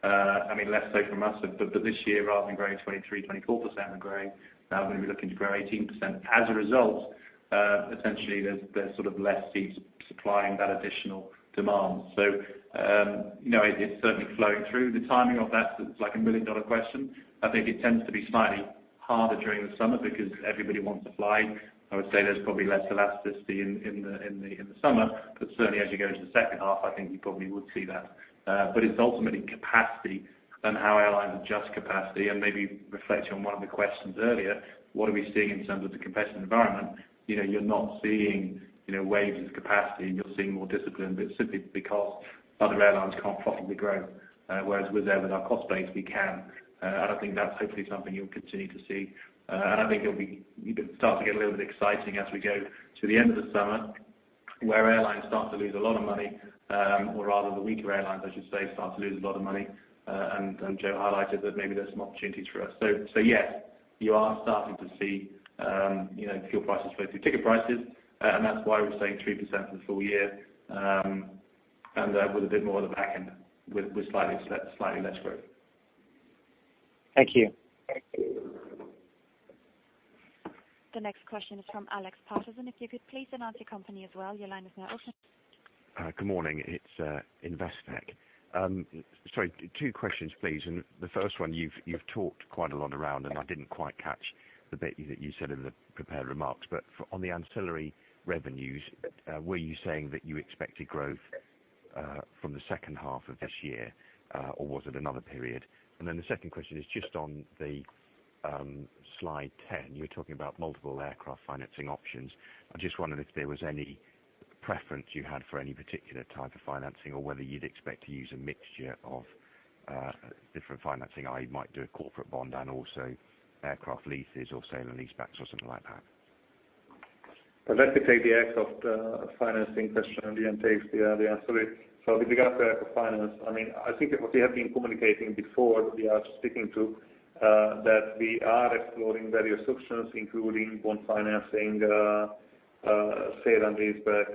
Speaker 3: I mean, less so from us, but this year, rather than growing 23%-24%, we're going to be looking to grow 18%. As a result, essentially, there's less seats supplying that additional demand. It's certainly flowing through. The timing of that is like a million-dollar question. I think it tends to be slightly harder during the summer because everybody wants to fly. I would say there's probably less elasticity in the summer, but certainly as you go into the second half, I think you probably would see that. It's ultimately capacity and how airlines adjust capacity and maybe reflecting on one of the questions earlier, what are we seeing in terms of the competitive environment? You're not seeing waves of capacity and you're seeing more discipline, but it's simply because other airlines can't profitably grow. Whereas with them and our cost base, we can. I think that's hopefully something you'll continue to see. I think it'll start to get a little bit exciting as we go to the end of the summer where airlines start to lose a lot of money, or rather the weaker airlines, I should say, start to lose a lot of money, and Joe highlighted that maybe there's some opportunities for us. Yes, you are starting to see fuel prices flow through ticket prices, and that's why we're saying 3% for the full year, and with a bit more at the back end with slightly less growth.
Speaker 11: Thank you.
Speaker 1: The next question is from Alex Patterson. If you could please announce your company as well, your line is now open.
Speaker 12: Good morning, it's Investec. Sorry, two questions, please. The first one, you've talked quite a lot around, I didn't quite catch the bit that you said in the prepared remarks. On the ancillary revenues, were you saying that you expected growth from the second half of this year? Was it another period? The second question is just on slide 10, you were talking about multiple aircraft financing options. I just wondered if there was any preference you had for any particular type of financing or whether you'd expect to use a mixture of different financing. I might do a corporate bond and also aircraft leases or sale and lease backs or something like that.
Speaker 2: Let me take the aircraft financing question, Ian takes the ancillary. With regards to aircraft finance, I think what we have been communicating before, we are sticking to, that we are exploring various options, including bond financing, sale and lease back,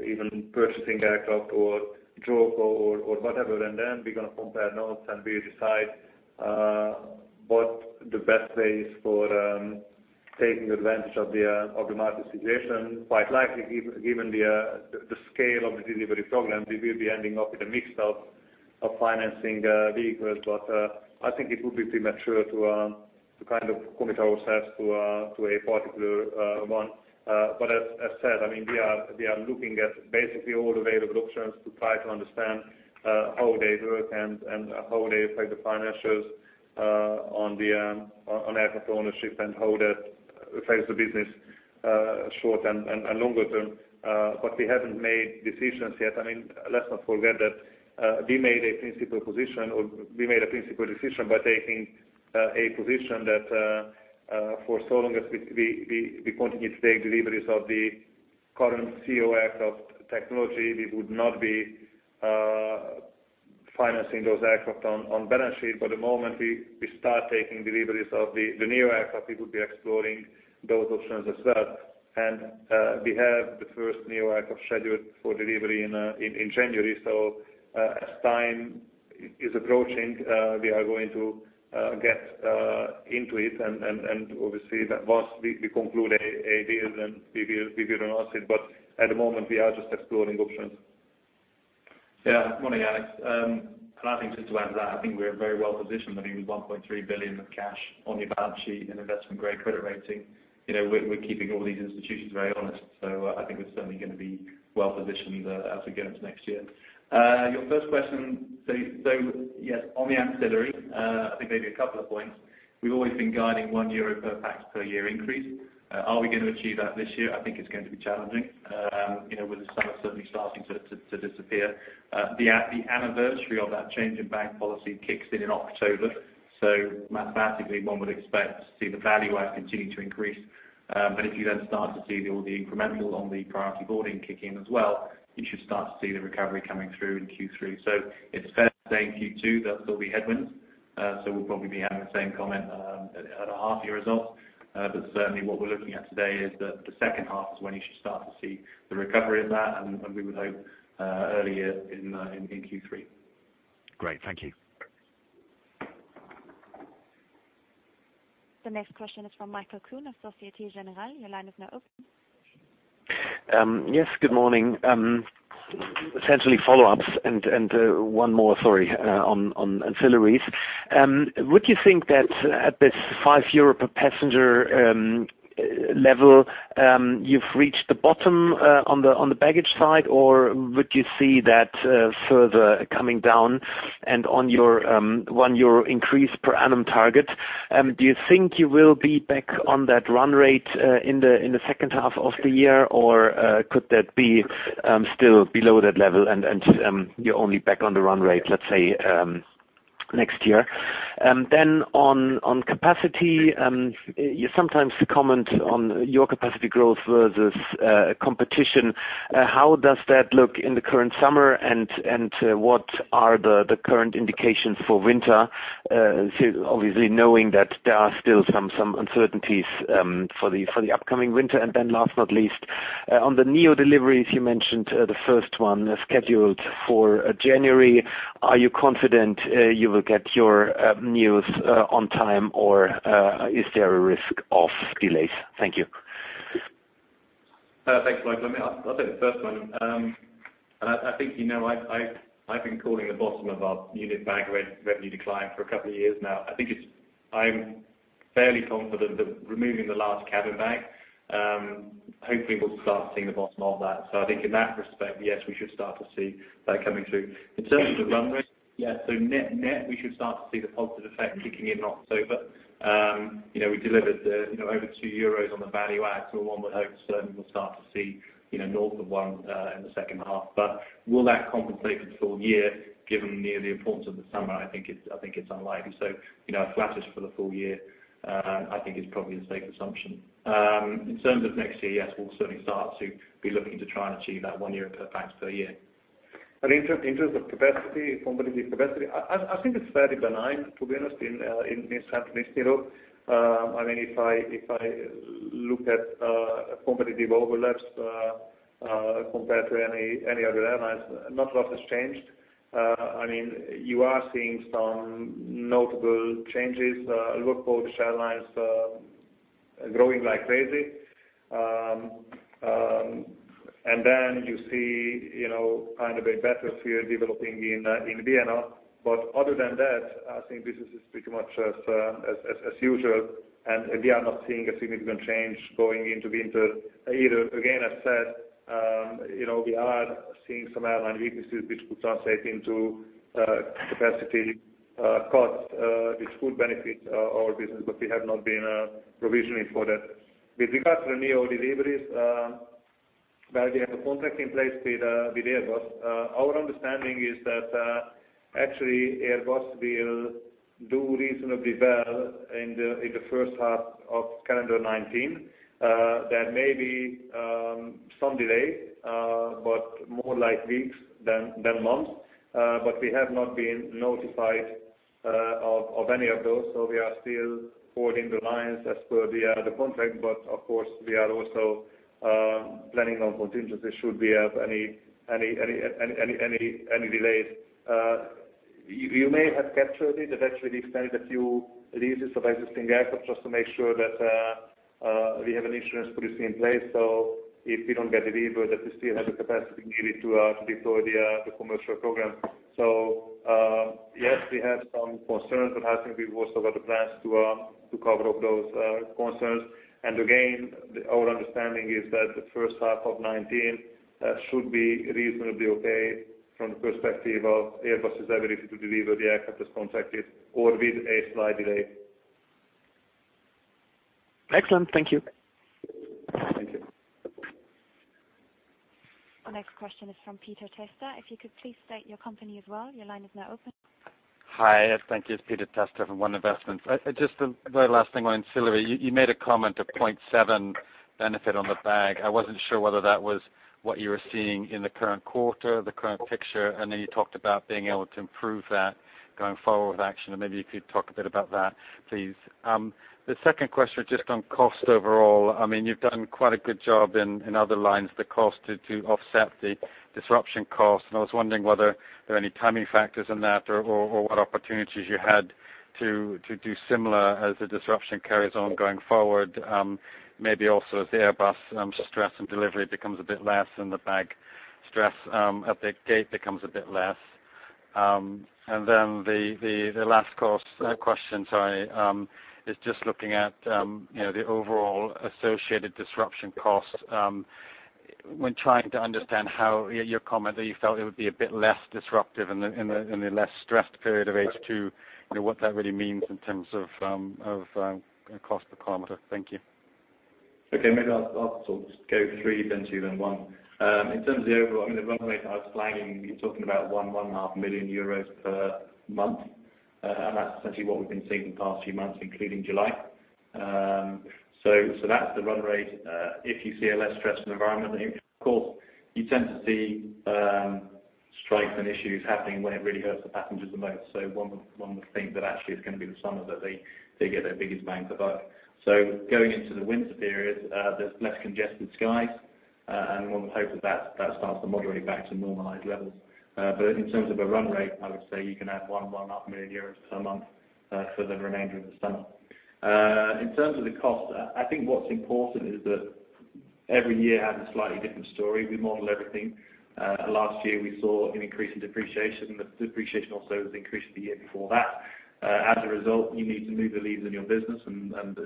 Speaker 2: even purchasing aircraft or whatever. We're going to compare notes, and we decide what the best way is for taking advantage of the market situation. Quite likely, given the scale of the delivery program, we will be ending up with a mix of financing vehicles. I think it would be premature to commit ourselves to a particular one. As said, we are looking at basically all available options to try to understand how they work and how they affect the financials on aircraft ownership and how that affects the business, short and longer term. We haven't made decisions yet. Let's not forget that we made a principal position, or we made a principal decision by taking a position that for so long as we continue to take deliveries of the current CEO aircraft technology, we would not be financing those aircraft on balance sheet. The moment we start taking deliveries of the newer aircraft, we would be exploring those options as well. We have the first new aircraft scheduled for delivery in January. As time is approaching, we are going to get into it, obviously, once we conclude a deal, then we will announce it. At the moment, we are just exploring options.
Speaker 3: Yeah. Morning, Alex. I think just to add to that, I think we are very well-positioned. I mean, with 1.3 billion of cash on your balance sheet and investment-grade credit rating. We're keeping all these institutions very honest. I think we're certainly going to be well-positioned as we go into next year. Your first question, yes, on the ancillary, I think maybe a couple of points. We've always been guiding 1 euro per pax per year increase. Are we going to achieve that this year? I think it's going to be challenging. With the summer certainly starting to disappear. The anniversary of that change in bag policy kicks in in October. Mathematically, one would expect to see the value add continue to increase. If you then start to see all the incremental on the priority boarding kick in as well, you should start to see the recovery coming through in Q3. It's fair to say in Q2, there'll still be headwinds. We'll probably be having the same comment at our half-year results. Certainly, what we're looking at today is that the second half is when you should start to see the recovery of that, and we would hope earlier in Q3.
Speaker 12: Great. Thank you.
Speaker 1: The next question is from Michael Kuhn of Societe Generale. Your line is now open.
Speaker 13: Yes, good morning. Essentially follow-ups, one more, sorry, on ancillaries. Would you think that at this 5 euro per passenger level, you've reached the bottom on the baggage side, or would you see that further coming down and on your 1 euro increase per annum target? Do you think you will be back on that run rate in the second half of the year, or could that be still below that level and you're only back on the run rate, let's say, next year? On capacity, you sometimes comment on your capacity growth versus competition. How does that look in the current summer, and what are the current indications for winter? Obviously knowing that there are still some uncertainties for the upcoming winter. Last, not least, on the new deliveries, you mentioned the first one scheduled for January. Are you confident you will get your neos on time, or is there a risk of delays? Thank you.
Speaker 3: Thanks, Michael. I'll take the first one. I think you know I've been calling the bottom of our unit bag revenue decline for a couple of years now. I'm fairly confident that removing the last cabin bag, hopefully we'll start seeing the bottom of that. I think in that respect, yes, we should start to see that coming through. In terms of the run rate, so net, we should start to see the positive effect kicking in October. We delivered over 2 euros on the value add, so one would hope certainly we'll start to see North of 1 in the second half. Will that compensate for the full year? Given the importance of the summer, I think it's unlikely. Flattish for the full year, I think is probably a safe assumption. In terms of next year, yes, we'll certainly start to be looking to try and achieve that 1 euro per pax per year.
Speaker 2: In terms of capacity, competitive capacity, I think it is fairly benign, to be honest, in Central and Eastern Europe. If I look at competitive overlaps compared to any other airlines, not a lot has changed. You are seeing some notable changes. Look for the airline growing like crazy. You see kind of a battlefield developing in Vienna. Other than that, I think business is pretty much as usual, and we are not seeing a significant change going into winter either. Again, as said, we are seeing some airline weaknesses which could translate into capacity cuts, which could benefit our business, but we have not been provisioning for that. With regard to the new deliveries, where we have a contract in place with Airbus. Our understanding is that, actually, Airbus will do reasonably well in the first half of calendar 2019. There may be some delay, but more like weeks than months. We have not been notified of any of those, so we are still holding the lines as per the contract. We are also planning on contingencies should we have any delays. You may have captured it, but actually we have extended a few leases of existing aircraft just to make sure that we have an insurance policy in place. If we do not get delivery, that we still have the capacity needed to deploy the commercial program. We have some concerns, but I think we have also got the plans to cover up those concerns. Our understanding is that the first half of 2019 should be reasonably okay from the perspective of Airbus's ability to deliver the aircraft as contracted or with a slight delay.
Speaker 13: Excellent. Thank you.
Speaker 2: Thank you.
Speaker 1: The next question is from Peter Tester. If you could please state your company as well, your line is now open.
Speaker 14: Hi. Thank you. It's Peter Tester from One Investments. Just the very last thing on delivery. You made a comment of 0.7 benefit on the bag. I wasn't sure whether that was what you were seeing in the current quarter, the current picture. Maybe you could talk a bit about that, please. The second question is just on cost overall. You've done quite a good job in other lines, the cost to offset the disruption cost. I was wondering whether there are any timing factors in that or what opportunities you had to do similar as the disruption carries on going forward. Maybe also as the Airbus stress and delivery becomes a bit less and the bag stress at the gate becomes a bit less. The last cost question, sorry, is just looking at the overall associated disruption costs. When trying to understand how your comment that you felt it would be a bit less disruptive in the less stressed period of H2, what that really means in terms of cost per kilometer. Thank you.
Speaker 3: Okay. Maybe I'll sort of just go three, then two, then one. In terms of the overall, the run rate I was flagging, you're talking about 1 million-1.5 million euros per month. That's essentially what we've been seeing the past few months, including July. That's the run rate. If you see a less stressed environment, of course, you tend to see strikes and issues happening when it really hurts the passengers the most. One would think that actually it's going to be the summer that they get their biggest bang for buck. Going into the winter period, there's less congested skies. One would hope that that starts to moderate back to normalized levels. In terms of a run rate, I would say you can add 1 million-1.5 million euros per month for the remainder of the summer. In terms of the cost, I think what's important is that every year has a slightly different story. We model everything. Last year, we saw an increase in depreciation. The depreciation also was increased the year before that. As a result, you need to move the leads in your business.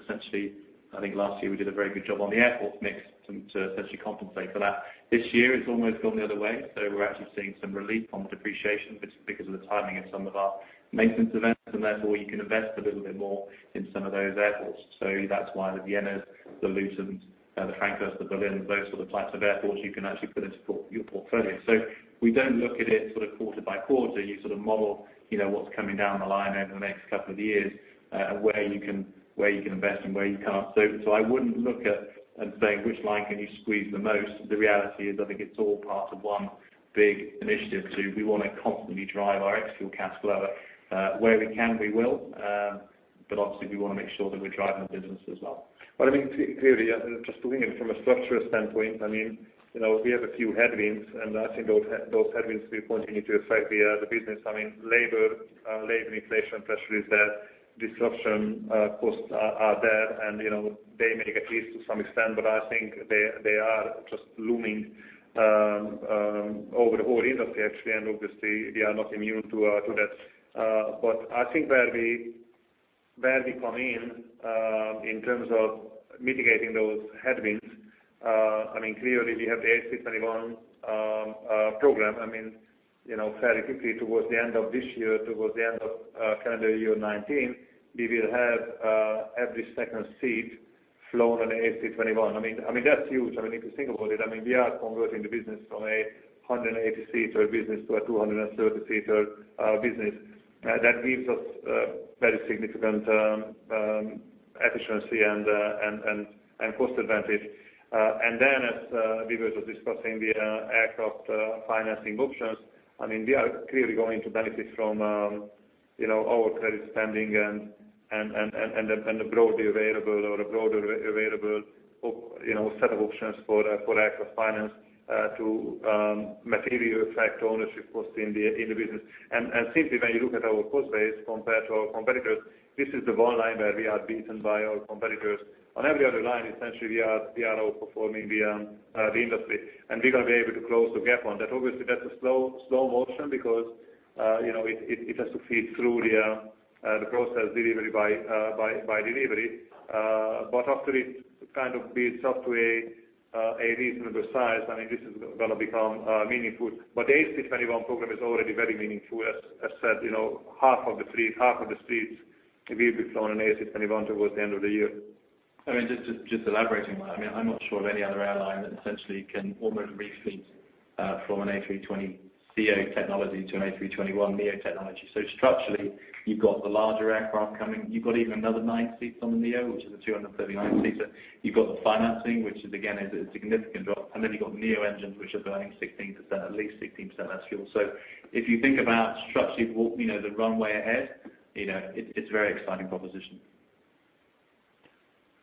Speaker 3: Essentially, I think last year we did a very good job on the airport mix to essentially compensate for that. This year, it's almost gone the other way. We're actually seeing some relief on the depreciation because of the timing of some of our maintenance events, therefore, you can invest a little bit more in some of those airports. That's why the Viennas, the Lutons, the Frankfurts, the Berlins, those sort of types of airports you can actually put into your portfolio. We don't look at it sort of quarter by quarter. You sort of model what's coming down the line over the next couple of years, where you can invest and where you can't. I wouldn't look at and say, "Which line can you squeeze the most?" The reality is, I think it's all part of one big initiative to we want to constantly drive our extra cash flow up. Where we can, we will. Obviously, we want to make sure that we're driving the business as well.
Speaker 2: Clearly, just looking at it from a structural standpoint, we have a few headwinds, I think those headwinds will continue to affect the business. Labor inflation pressure is there. Disruption costs are there, they may get eased to some extent, I think they are just looming over the whole industry, actually, obviously we are not immune to that. I think where we come in in terms of mitigating those headwinds, clearly we have the A321 program. Fairly quickly towards the end of this year, towards the end of calendar year 2019, we will have every second seat flown on A321. That's huge. If you think about it, we are converting the business from a 180-seater business to a 230-seater business. That gives us very significant efficiency and cost advantage. As Tibor was discussing the aircraft financing options, we are clearly going to benefit from our credit standing and the broadly available set of options for aircraft finance to materially affect ownership costs in the business. Simply, when you look at our cost base compared to our competitors, this is the one line where we are beaten by our competitors. On every other line, essentially, we are outperforming the industry, we are going to be able to close the gap on that. Obviously, that's a slow motion because it has to feed through the process delivery by delivery. After it kind of builds up to a reasonable size, this is going to become meaningful. The A321 program is already very meaningful. As I've said, half of the fleets will be flown on A321 towards the end of the year.
Speaker 3: Just elaborating on that. I'm not sure of any other airline that essentially can almost re-fleet from an A320ceo technology to an A321neo technology. Structurally, you've got the larger aircraft coming. You've got even another nine seats on the neo, which is a 239-seater. You've got the financing, which again, is a significant drop. You've got neo engines, which are burning at least 16% less fuel. If you think about structurally the runway ahead, it's a very exciting proposition.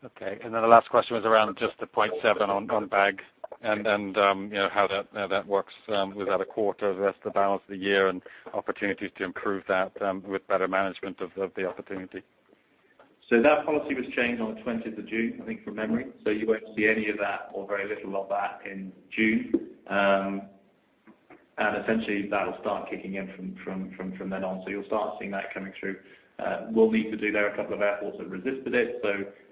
Speaker 14: Okay. The last question was around just the 0.7 on bags and how that works throughout a quarter, the rest of the balance of the year, and opportunities to improve that with better management of the opportunity.
Speaker 3: That policy was changed on the 20th of June, I think, from memory. You won't see any of that or very little of that in June. Essentially, that will start kicking in from then on. You'll start seeing that coming through. We'll need to do there a couple of airports that resisted it.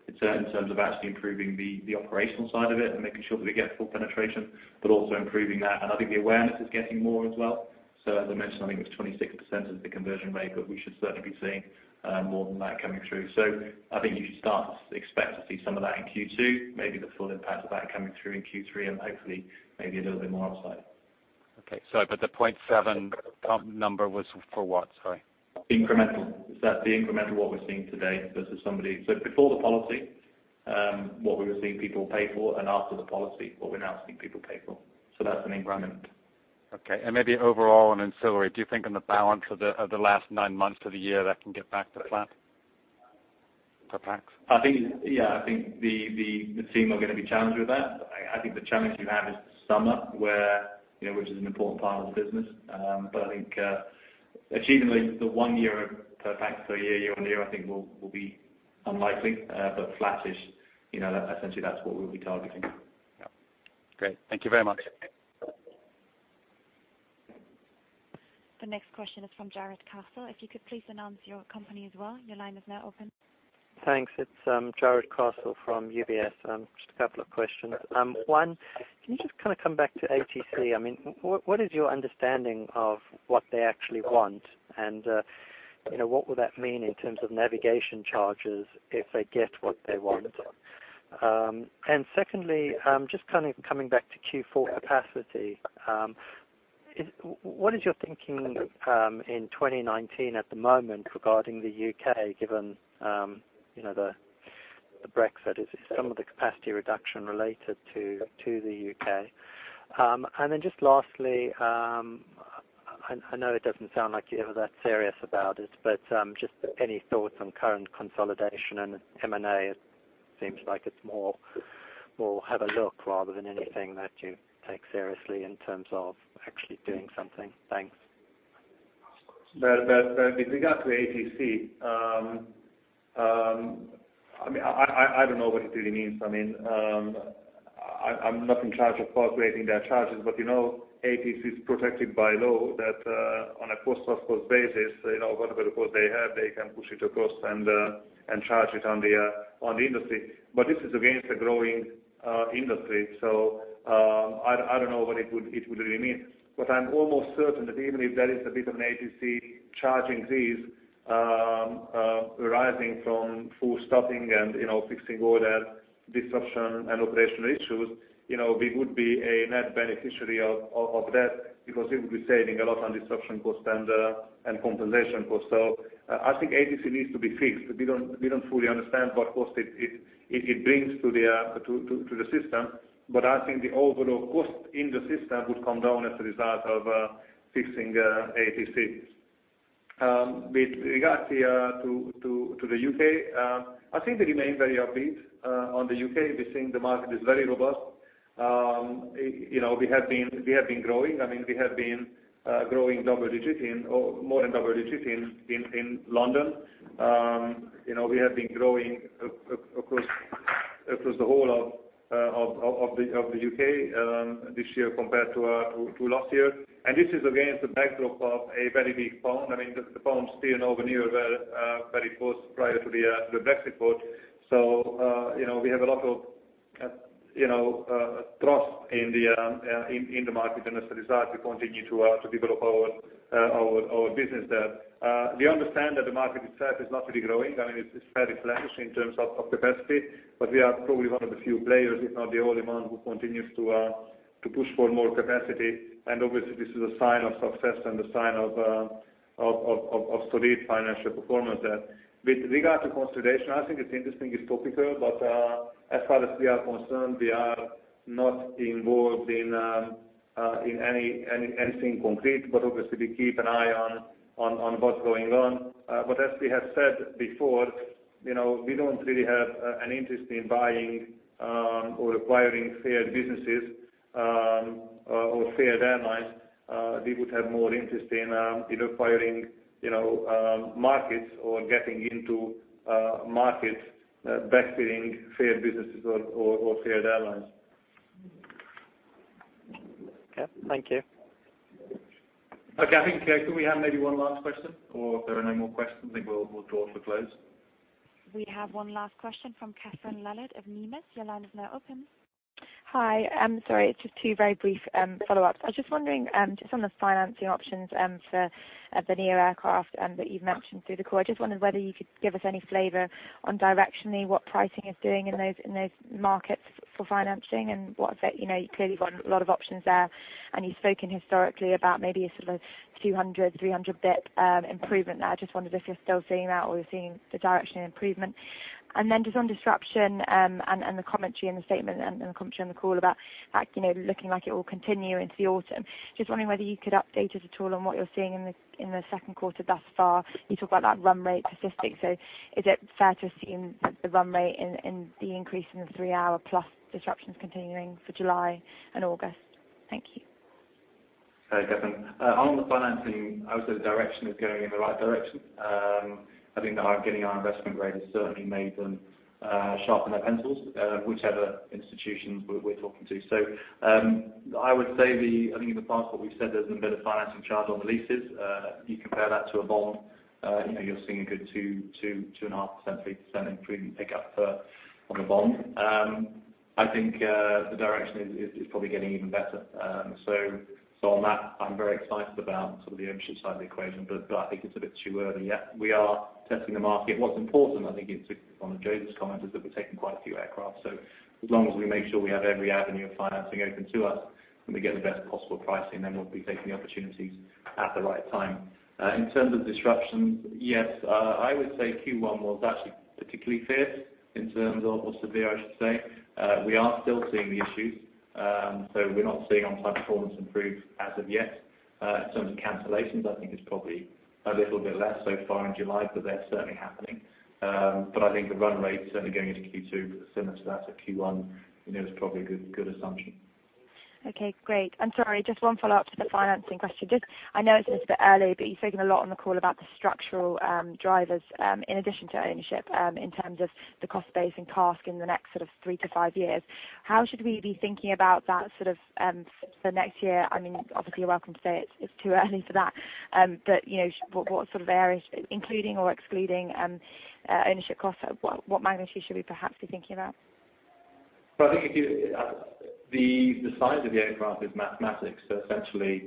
Speaker 3: In terms of actually improving the operational side of it and making sure that we get full penetration, but also improving that. I think the awareness is getting more as well. As I mentioned, I think it was 26% is the conversion rate, but we should certainly be seeing more than that coming through. I think you should start to expect to see some of that in Q2, maybe the full impact of that coming through in Q3, and hopefully maybe a little bit more outside.
Speaker 14: Okay. Sorry, the 0.7 number was for what? Sorry.
Speaker 3: Incremental. The incremental what we're seeing today versus somebody. Before the policy, what we were seeing people pay for, and after the policy, what we're now seeing people pay for. That's an increment.
Speaker 14: Okay. Maybe overall on ancillary, do you think on the balance of the last nine months of the year, that can get back to flat per pax?
Speaker 3: Yeah. I think the team are going to be challenged with that. I think the challenge you have is summer, which is an important part of the business. I think achieving the 1 per pax per year-on-year, I think will be unlikely. Flattish, essentially, that's what we'll be targeting.
Speaker 14: Yeah. Great. Thank you very much.
Speaker 1: The next question is from Jarrod Castle. If you could please announce your company as well. Your line is now open.
Speaker 15: Thanks. It's Jarrod Castle from UBS. Just a couple of questions. One, can you just kind of come back to ATC? What is your understanding of what they actually want? What will that mean in terms of navigation charges if they get what they want? Secondly, just kind of coming back to Q4 capacity. What is your thinking in 2019 at the moment regarding the U.K., given the Brexit? Is some of the capacity reduction related to the U.K.? Lastly, I know it doesn't sound like you're ever that serious about it, but just any thoughts on current consolidation and M&A? It seems like it's more have a look rather than anything that you take seriously in terms of actually doing something. Thanks. With regard to ATC, I don't know what it really means.
Speaker 2: I'm not in charge of calculating their charges. ATC is protected by law that on a cost-plus basis, whatever report they have, they can push it across and charge it on the industry. This is against a growing industry. I don't know what it would really mean. I'm almost certain that even if there is a bit of an ATC charge increase arising from full stopping and fixing all that disruption and operational issues, we would be a net beneficiary of that because we would be saving a lot on disruption cost and compensation cost. I think ATC needs to be fixed. We don't fully understand what cost it brings to the system. I think the overall cost in the system would come down as a result of fixing ATC. With regards to the U.K., I think we remain very upbeat on the U.K. We think the market is very robust. We have been growing. We have been growing double digits, more than double digits in London. We have been growing across the whole of the U.K. this year compared to last year. This is against the backdrop of a very big pound. The pound is still nowhere near where it was prior to the Brexit vote. We have a lot of trust in the market and there's a desire to continue to develop our business there. We understand that the market itself is not really growing. It's fairly flat in terms of capacity. We are probably one of the few players, if not the only one, who continues to push for more capacity. Obviously, this is a sign of success and a sign of solid financial performance there. With regard to consolidation, I think it's interesting, it's topical, as far as we are concerned, we are not involved in anything concrete. Obviously, we keep an eye on what's going on. As we have said before, we don't really have an interest in buying or acquiring failed businesses, or failed airlines. We would have more interest in acquiring markets, or getting into markets backfilling failed businesses, or failed airlines.
Speaker 15: Okay. Thank you.
Speaker 3: Okay. Could we have maybe one last question? If there are no more questions, I think we'll draw to a close.
Speaker 1: We have one last question from Catherine Lillard of MainFirst. Your line is now open.
Speaker 16: Hi. Sorry, just two very brief follow-ups. I was just wondering, just on the financing options for the neo aircraft that you've mentioned through the call. I just wondered whether you could give us any flavor on directionally what pricing is doing in those markets for financing and what's that? You've clearly got a lot of options there, and you've spoken historically about maybe a sort of 200, 300 basis points improvement there. I just wondered if you're still seeing that, or you're seeing the direction of improvement. Just on disruption, and the commentary and the statement, and the commentary on the call about that looking like it will continue into the autumn. Just wondering whether you could update us at all on what you're seeing in the second quarter thus far. You talk about that run rate statistic, is it fair to assume that the run rate in the increase in the three-hour-plus disruptions continuing for July and August? Thank you.
Speaker 3: Hi, Catherine. On the financing, I would say the direction is going in the right direction. I think getting our investment grade has certainly made them sharpen their pencils, whichever institutions we're talking to. I would say, I think in the past what we've said there's a bit of a financing charge on the leases. You compare that to a bond, you're seeing a good two, 2.5%, 3% improvement pick up on the bond. I think the direction is probably getting even better. On that, I'm very excited about sort of the ownership side of the equation, but I think it's a bit too early yet. We are testing the market. What's important, I think to one of József's comment, is that we're taking quite a few aircraft. As long as we make sure we have every avenue of financing open to us, and we get the best possible pricing, we'll be taking the opportunities at the right time. In terms of disruptions, yes. I would say Q1 was actually particularly fierce in terms of, or severe, I should say. We are still seeing the issues. We're not seeing on-time performance improve as of yet. In terms of cancellations, I think it's probably a little bit less so far in July, but they're certainly happening. I think the run rate certainly going into Q2, similar to that of Q1, is probably a good assumption.
Speaker 16: Okay, great. Sorry, just one follow-up to the financing question. I know it's a little bit early, but you've spoken a lot on the call about the structural drivers in addition to ownership, in terms of the cost base and CASK in the next sort of 3-5 years. How should we be thinking about that sort of for next year? Obviously, you're welcome to say it's too early for that. What sort of areas, including or excluding ownership costs, what magnitude should we perhaps be thinking about?
Speaker 3: I think the size of the aircraft is mathematics. Essentially,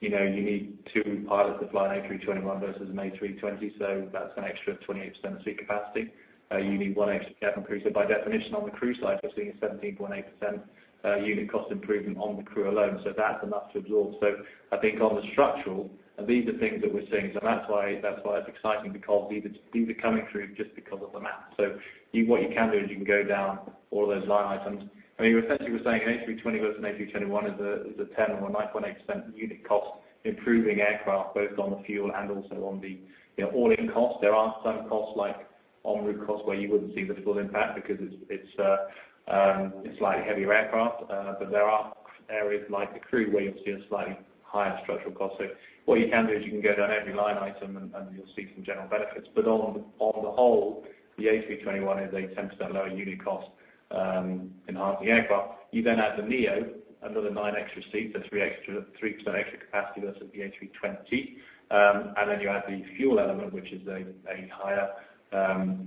Speaker 3: you need two pilots to fly an A321 versus an A320, so that's an extra 28% of seat capacity. You need one extra cabin crew. By definition on the crew side, we're seeing a 17.8% unit cost improvement on the crew alone. That's enough to absorb. I think on the structural, these are things that we're seeing. That's why it's exciting because these are coming through just because of the math. What you can do is you can go down all of those line items. You essentially were saying an A320 versus an A321 is a 10% or a 9.8% unit cost improving aircraft, both on the fuel and also on the all-in cost. There are some costs like en route costs where you wouldn't see the full impact because it's a slightly heavier aircraft. There are areas like the crew where you'll see a slightly higher structural cost. What you can do is you can go down every line item, and you'll see some general benefits. On the whole, the A321 is a 10% lower unit cost, in half the aircraft. You add the neo, another nine extra seats, so 3% extra capacity versus the A320. You add the fuel element, which is a higher,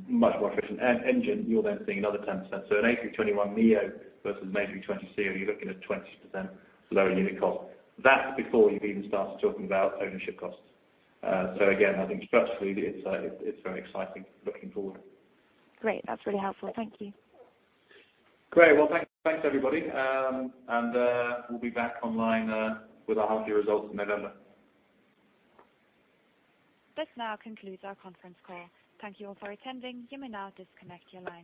Speaker 3: much more efficient engine. You're seeing another 10%. An A321neo versus an A320ceo, you're looking at 20% lower unit cost. That's before you've even started talking about ownership costs. Again, I think structurally, it's very exciting looking forward.
Speaker 16: Great. That's really helpful. Thank you.
Speaker 3: Well, thanks everybody. We'll be back online with our half-year results in November.
Speaker 1: This now concludes our conference call. Thank you all for attending. You may now disconnect your lines.